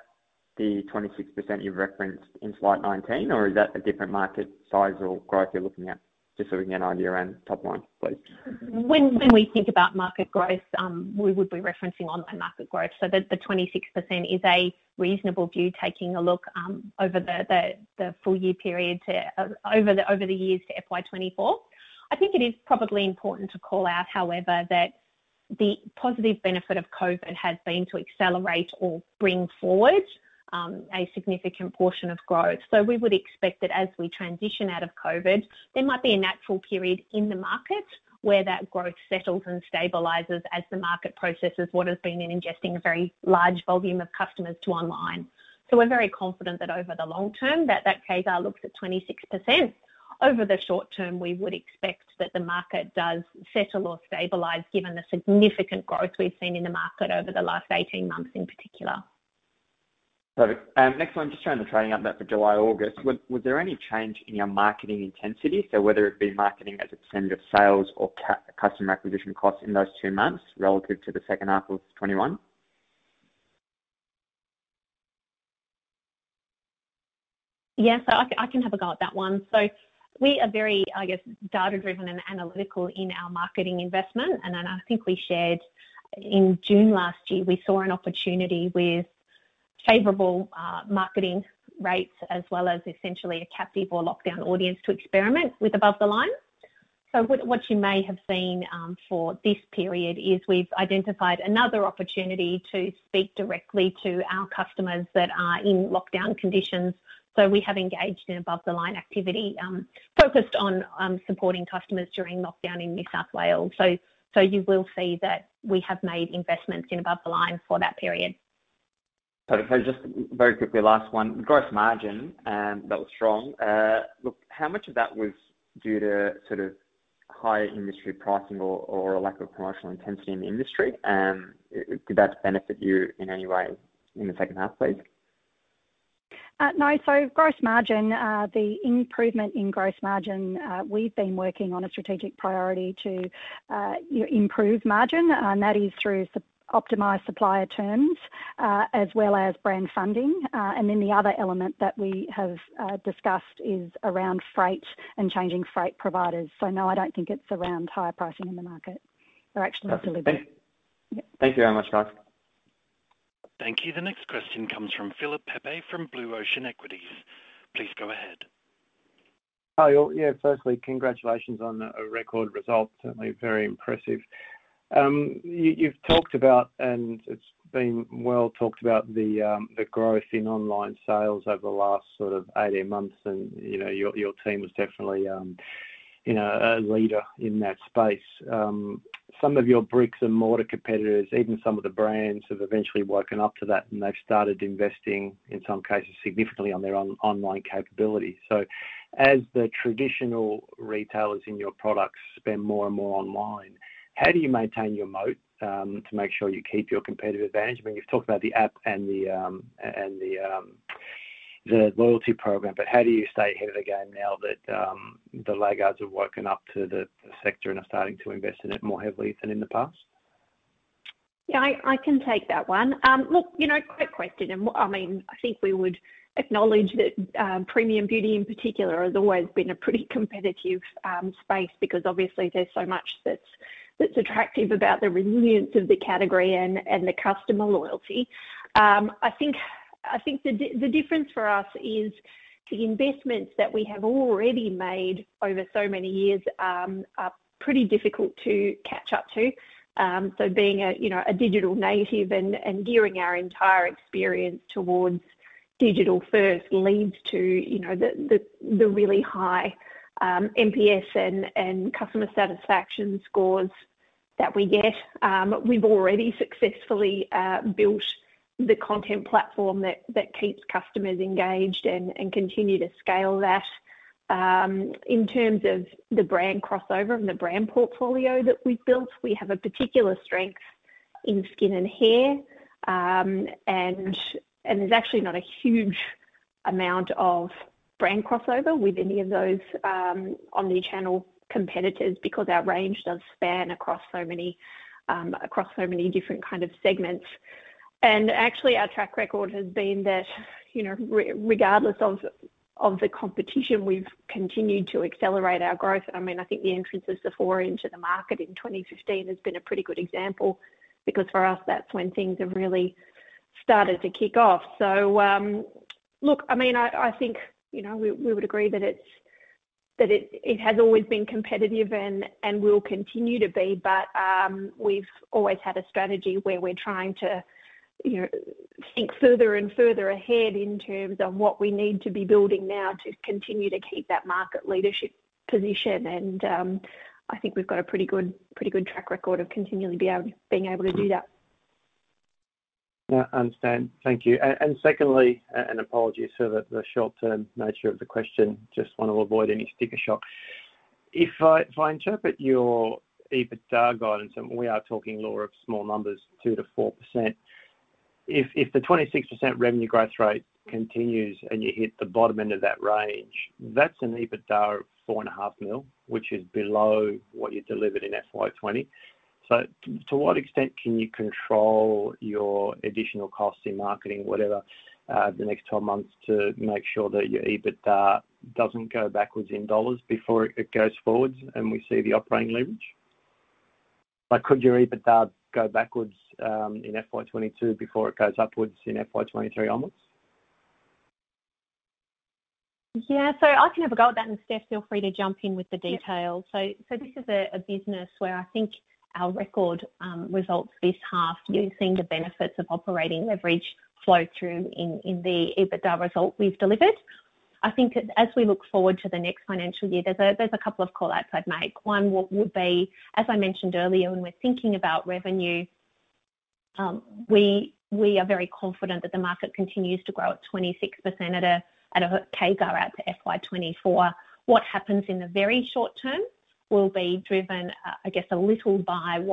the 26% you've referenced in slide 19, or is that a different market size or growth you're looking at? Just so we can get an idea around top line, please. When we think about market growth, we would be referencing online market growth. The 26% is a reasonable view, taking a look over the full-year period to over the years to FY 2024. I think it is probably important to call out, however, that the positive benefit of COVID-19 has been to accelerate or bring forward a significant portion of growth. We would expect that as we transition out of COVID-19, there might be a natural period in the market where that growth settles and stabilizes as the market processes what has been ingesting a very large volume of customers to online. We're very confident that over the long term, that that CAGR looks at 26%. Over the short term, we would expect that the market does settle or stabilize given the significant growth we've seen in the market over the last 18 months in particular. Perfect. Next one, just showing the trading update for July, August. Was there any change in your marketing intensity, so whether it be marketing as a percent of sales or Customer Acquisition Cost in those two months relative to the second half of 2021? I can have a go at that one. We are very, I guess, data-driven and analytical in our marketing investment. I think we shared in June last year, we saw an opportunity with favorable marketing rates as well as essentially a captive or lockdown audience to experiment with above the line. What you may have seen for this period is we've identified another opportunity to speak directly to our customers that are in lockdown conditions. We have engaged in above the line activity, focused on supporting customers during lockdown in New South Wales. You will see that we have made investments in above the line for that period. Perfect. Just very quickly, last one. Gross margin, that was strong. Look, how much of that was due to sort of higher industry pricing or a lack of promotional intensity in the industry? Did that benefit you in any way in the second half, please? No. Gross margin, the improvement in gross margin, we've been working on a strategic priority to improve margin, and that is through optimized supplier terms, as well as brand funding. The other element that we have discussed is around freight and changing freight providers. No, I don't think it's around higher pricing in the market or actually delivery. Thank you very much, guys. Thank you. The next question comes from Philip Pepe from Blue Ocean Equities. Please go ahead. Hi, all. Yeah, firstly, congratulations on a record result. Certainly very impressive. You've talked about, and it's been well talked about, the growth in online sales over the last sort of 18 months, and your team was definitely a leader in that space. Some of your bricks and mortar competitors, even some of the brands, have eventually woken up to that, and they've started investing, in some cases, significantly on their online capability. As the traditional retailers in your products spend more and more online, how do you maintain your moat to make sure you keep your competitive advantage? I mean, you've talked about the app and the loyalty program, how do you stay ahead of the game now that the laggards have woken up to the sector and are starting to invest in it more heavily than in the past? Yeah, I can take that one. Look, great question. I think we would acknowledge that premium beauty in particular has always been a pretty competitive space because obviously there's so much that's attractive about the resilience of the category and the customer loyalty. I think the difference for us is the investments that we have already made over so many years are pretty difficult to catch up to. Being a digital native and gearing our entire experience towards digital first leads to the really high NPS and customer satisfaction scores that we get. We've already successfully built the content platform that keeps customers engaged and continue to scale that. In terms of the brand crossover and the brand portfolio that we've built, we have a particular strength in skin and hair. There's actually not a huge amount of brand crossover with any of those omnichannel competitors because our range does span across so many different kind of segments. Actually, our track record has been that, regardless of the competition, we've continued to accelerate our growth. I think the entrance of Sephora into the market in 2015 has been a pretty good example, because for us, that's when things have really started to kick off. Look, I think, we would agree that it has always been competitive and will continue to be. We've always had a strategy where we're trying to think further and further ahead in terms of what we need to be building now to continue to keep that market leadership position. I think we've got a pretty good track record of continually being able to do that. Yeah, understand. Thank you. Secondly, apologies for the short-term nature of the question. Just want to avoid any sticker shock. If I interpret your EBITDA guidance, we are talking, law, of small numbers, 2%-4%. If the 26% revenue growth rate continues and you hit the bottom end of that range, that's an EBITDA of 4.5 million, which is below what you delivered in FY 2020. To what extent can you control your additional costs in marketing, whatever, the next 12 months to make sure that your EBITDA doesn't go backwards in dollars before it goes forwards and we see the operating leverage? Could your EBITDA go backwards in FY 2022 before it goes upwards in FY 2023 onwards? Yeah. I can have a go at that, and Steph, feel free to jump in with the details. Yeah. This is a business where I think our record results this half do seem the benefits of operating leverage flow through in the EBITDA result we've delivered. I think as we look forward to the next financial year, there's a couple of call-outs I'd make. One would be, as I mentioned earlier, when we're thinking about revenue. We are very confident that the market continues to grow at 26% at a CAGR out to FY 2024. What happens in the very short term will be driven, I guess, a little by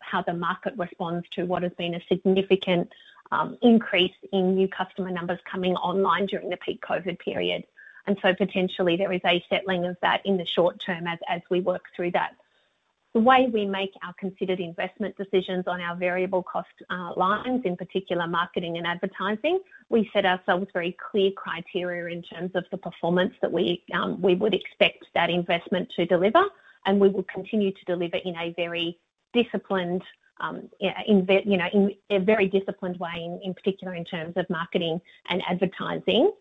how the market responds to what has been a significant increase in new customer numbers coming online during the peak-COVID period. Potentially there is a settling of that in the short term as we work through that. The way we make our considered investment decisions on our variable cost lines, in particular marketing and advertising, we set ourselves very clear criteria in terms of the performance that we would expect that investment to deliver, and we will continue to deliver in a very disciplined way, in particular in terms of marketing and advertising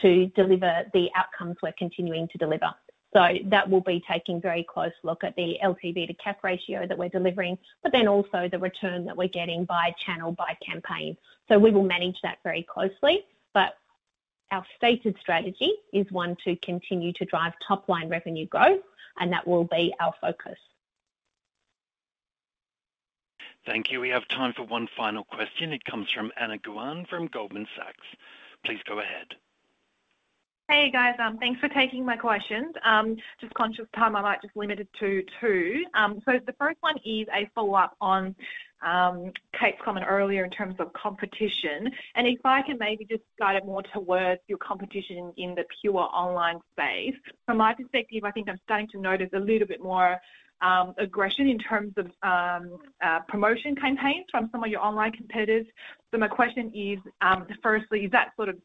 to deliver the outcomes we're continuing to deliver. That will be taking very close look at the LTV to CAC ratio that we're delivering, but then also the return that we're getting by channel, by campaign. We will manage that very closely. Our stated strategy is one to continue to drive top-line revenue growth, and that will be our focus. Thank you. We have time for one final question. It comes from Anna Guan from Goldman Sachs. Please go ahead. Hey, guys. Thanks for taking my questions. Just conscious of time, I might just limit it to two. The first one is a follow-up on Kate's comment earlier in terms of competition, and if I can maybe just guide it more towards your competition in the pure online space. From my perspective, I think I'm starting to notice a little bit more aggression in terms of promotion campaigns from some of your online competitors. My question is, firstly, is that sort of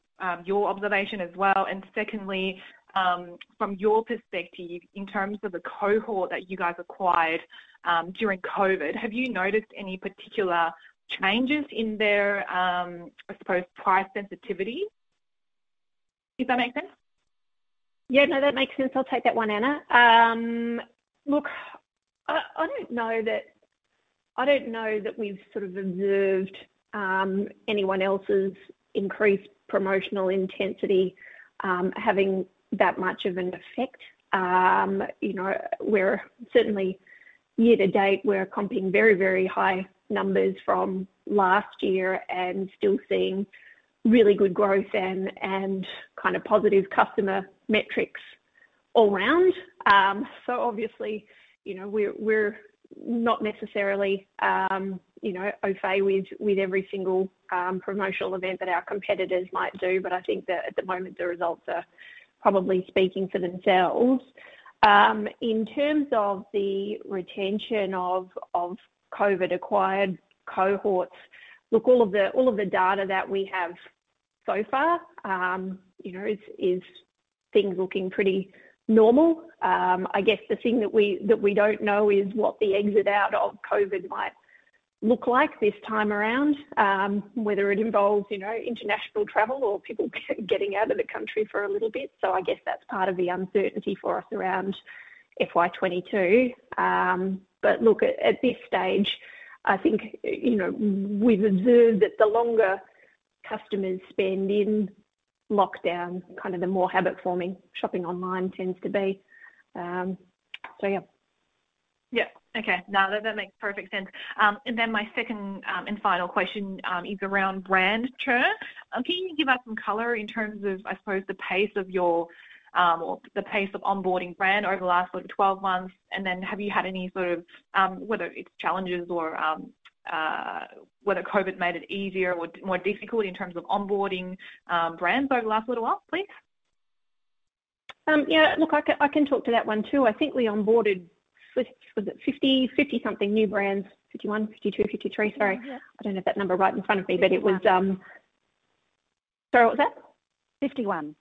your observation as well? Secondly, from your perspective, in terms of the cohort that you guys acquired during COVID, have you noticed any particular changes in their, I suppose, price sensitivity? Does that make sense? Yeah. No, that makes sense. I'll take that one, Anna. Look, I don't know that we've sort of observed anyone else's increased promotional intensity having that much of an effect. Certainly, year-to-date, we're comping very high numbers from last year and still seeing really good growth and kind of positive customer metrics all round. Obviously, we're not necessarily au fait with every single promotional event that our competitors might do, but I think that at the moment, the results are probably speaking for themselves. In terms of the retention of COVID-acquired cohorts, look, all of the data that we have so far is things looking pretty normal. I guess the thing that we don't know is what the exit out of COVID might look like this time around. Whether it involves international travel or people getting out of the country for a little bit. I guess that's part of the uncertainty for us around FY 2022. Look, at this stage, I think, we've observed that the longer customers spend in lockdown, kind of the more habit-forming shopping online tends to be. Yeah. Yeah. Okay. No, that makes perfect sense. My second and final question is around brand churn. Can you give us some color in terms of, I suppose, the pace of onboarding brand over the last sort of 12 months? Have you had any sort of, whether it's challenges or whether COVID-19 made it easier or more difficult in terms of onboarding brands over the last little while, please? Yeah. Look, I can talk to that one, too. I think we onboarded, was it 50 something new brands, 51, 52, 53? Sorry, I don't have that number right in front of me. 51. Sorry, what was that? 51.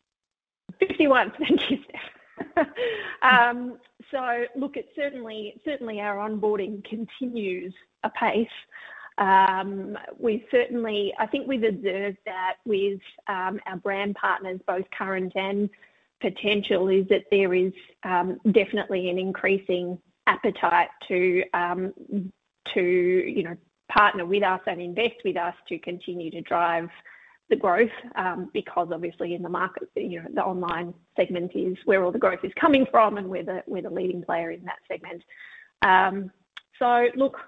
Thank you, Steph. Look, certainly our onboarding continues apace. I think we've observed that with our brand partners, both current and potential, is that there is definitely an increasing appetite to partner with us and invest with us to continue to drive the growth. Because obviously in the market, the online segment is where all the growth is coming from, and we're the leading player in that segment. Look,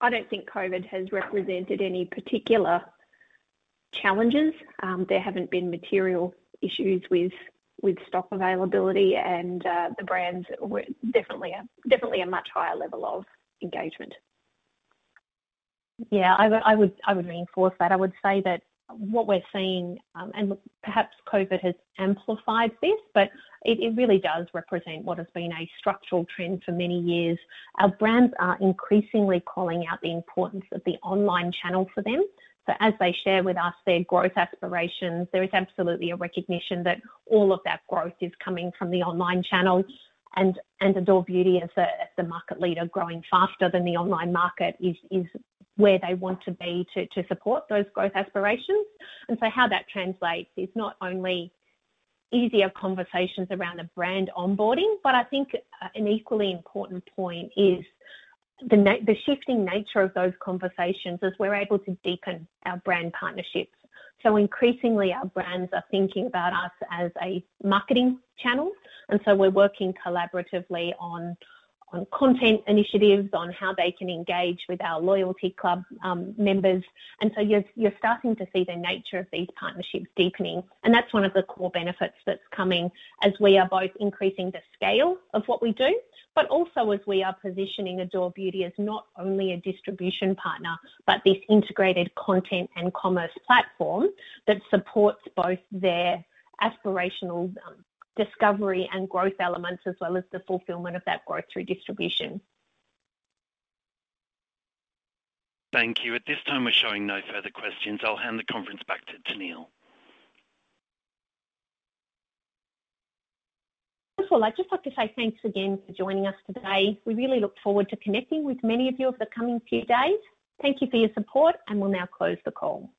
I don't think COVID-19 has represented any particular challenges. There haven't been material issues with stock availability and the brands, definitely a much higher level of engagement. Yeah, I would reinforce that. I would say that what we're seeing, and look, perhaps COVID-19 has amplified this, but it really does represent what has been a structural trend for many years. Our brands are increasingly calling out the importance of the online channel for them. As they share with us their growth aspirations, there is absolutely a recognition that all of that growth is coming from the online channel. Adore Beauty, as the market leader growing faster than the online market, is where they want to be to support those growth aspirations. How that translates is not only easier conversations around a brand onboarding, but I think an equally important point is the shifting nature of those conversations as we're able to deepen our brand partnerships. Increasingly, our brands are thinking about us as a marketing channel, and so we're working collaboratively on content initiatives, on how they can engage with our loyalty club members. You're starting to see the nature of these partnerships deepening, and that's one of the core benefits that's coming as we are both increasing the scale of what we do, but also as we are positioning Adore Beauty as not only a distribution partner, but this integrated content and commerce platform that supports both their aspirational discovery and growth elements, as well as the fulfillment of that growth through distribution. Thank you. At this time, we're showing no further questions. I'll hand the conference back to Tennealle. Wonderful. I'd just like to say thanks again for joining us today. We really look forward to connecting with many of you over the coming few days. Thank you for your support, and we'll now close the call.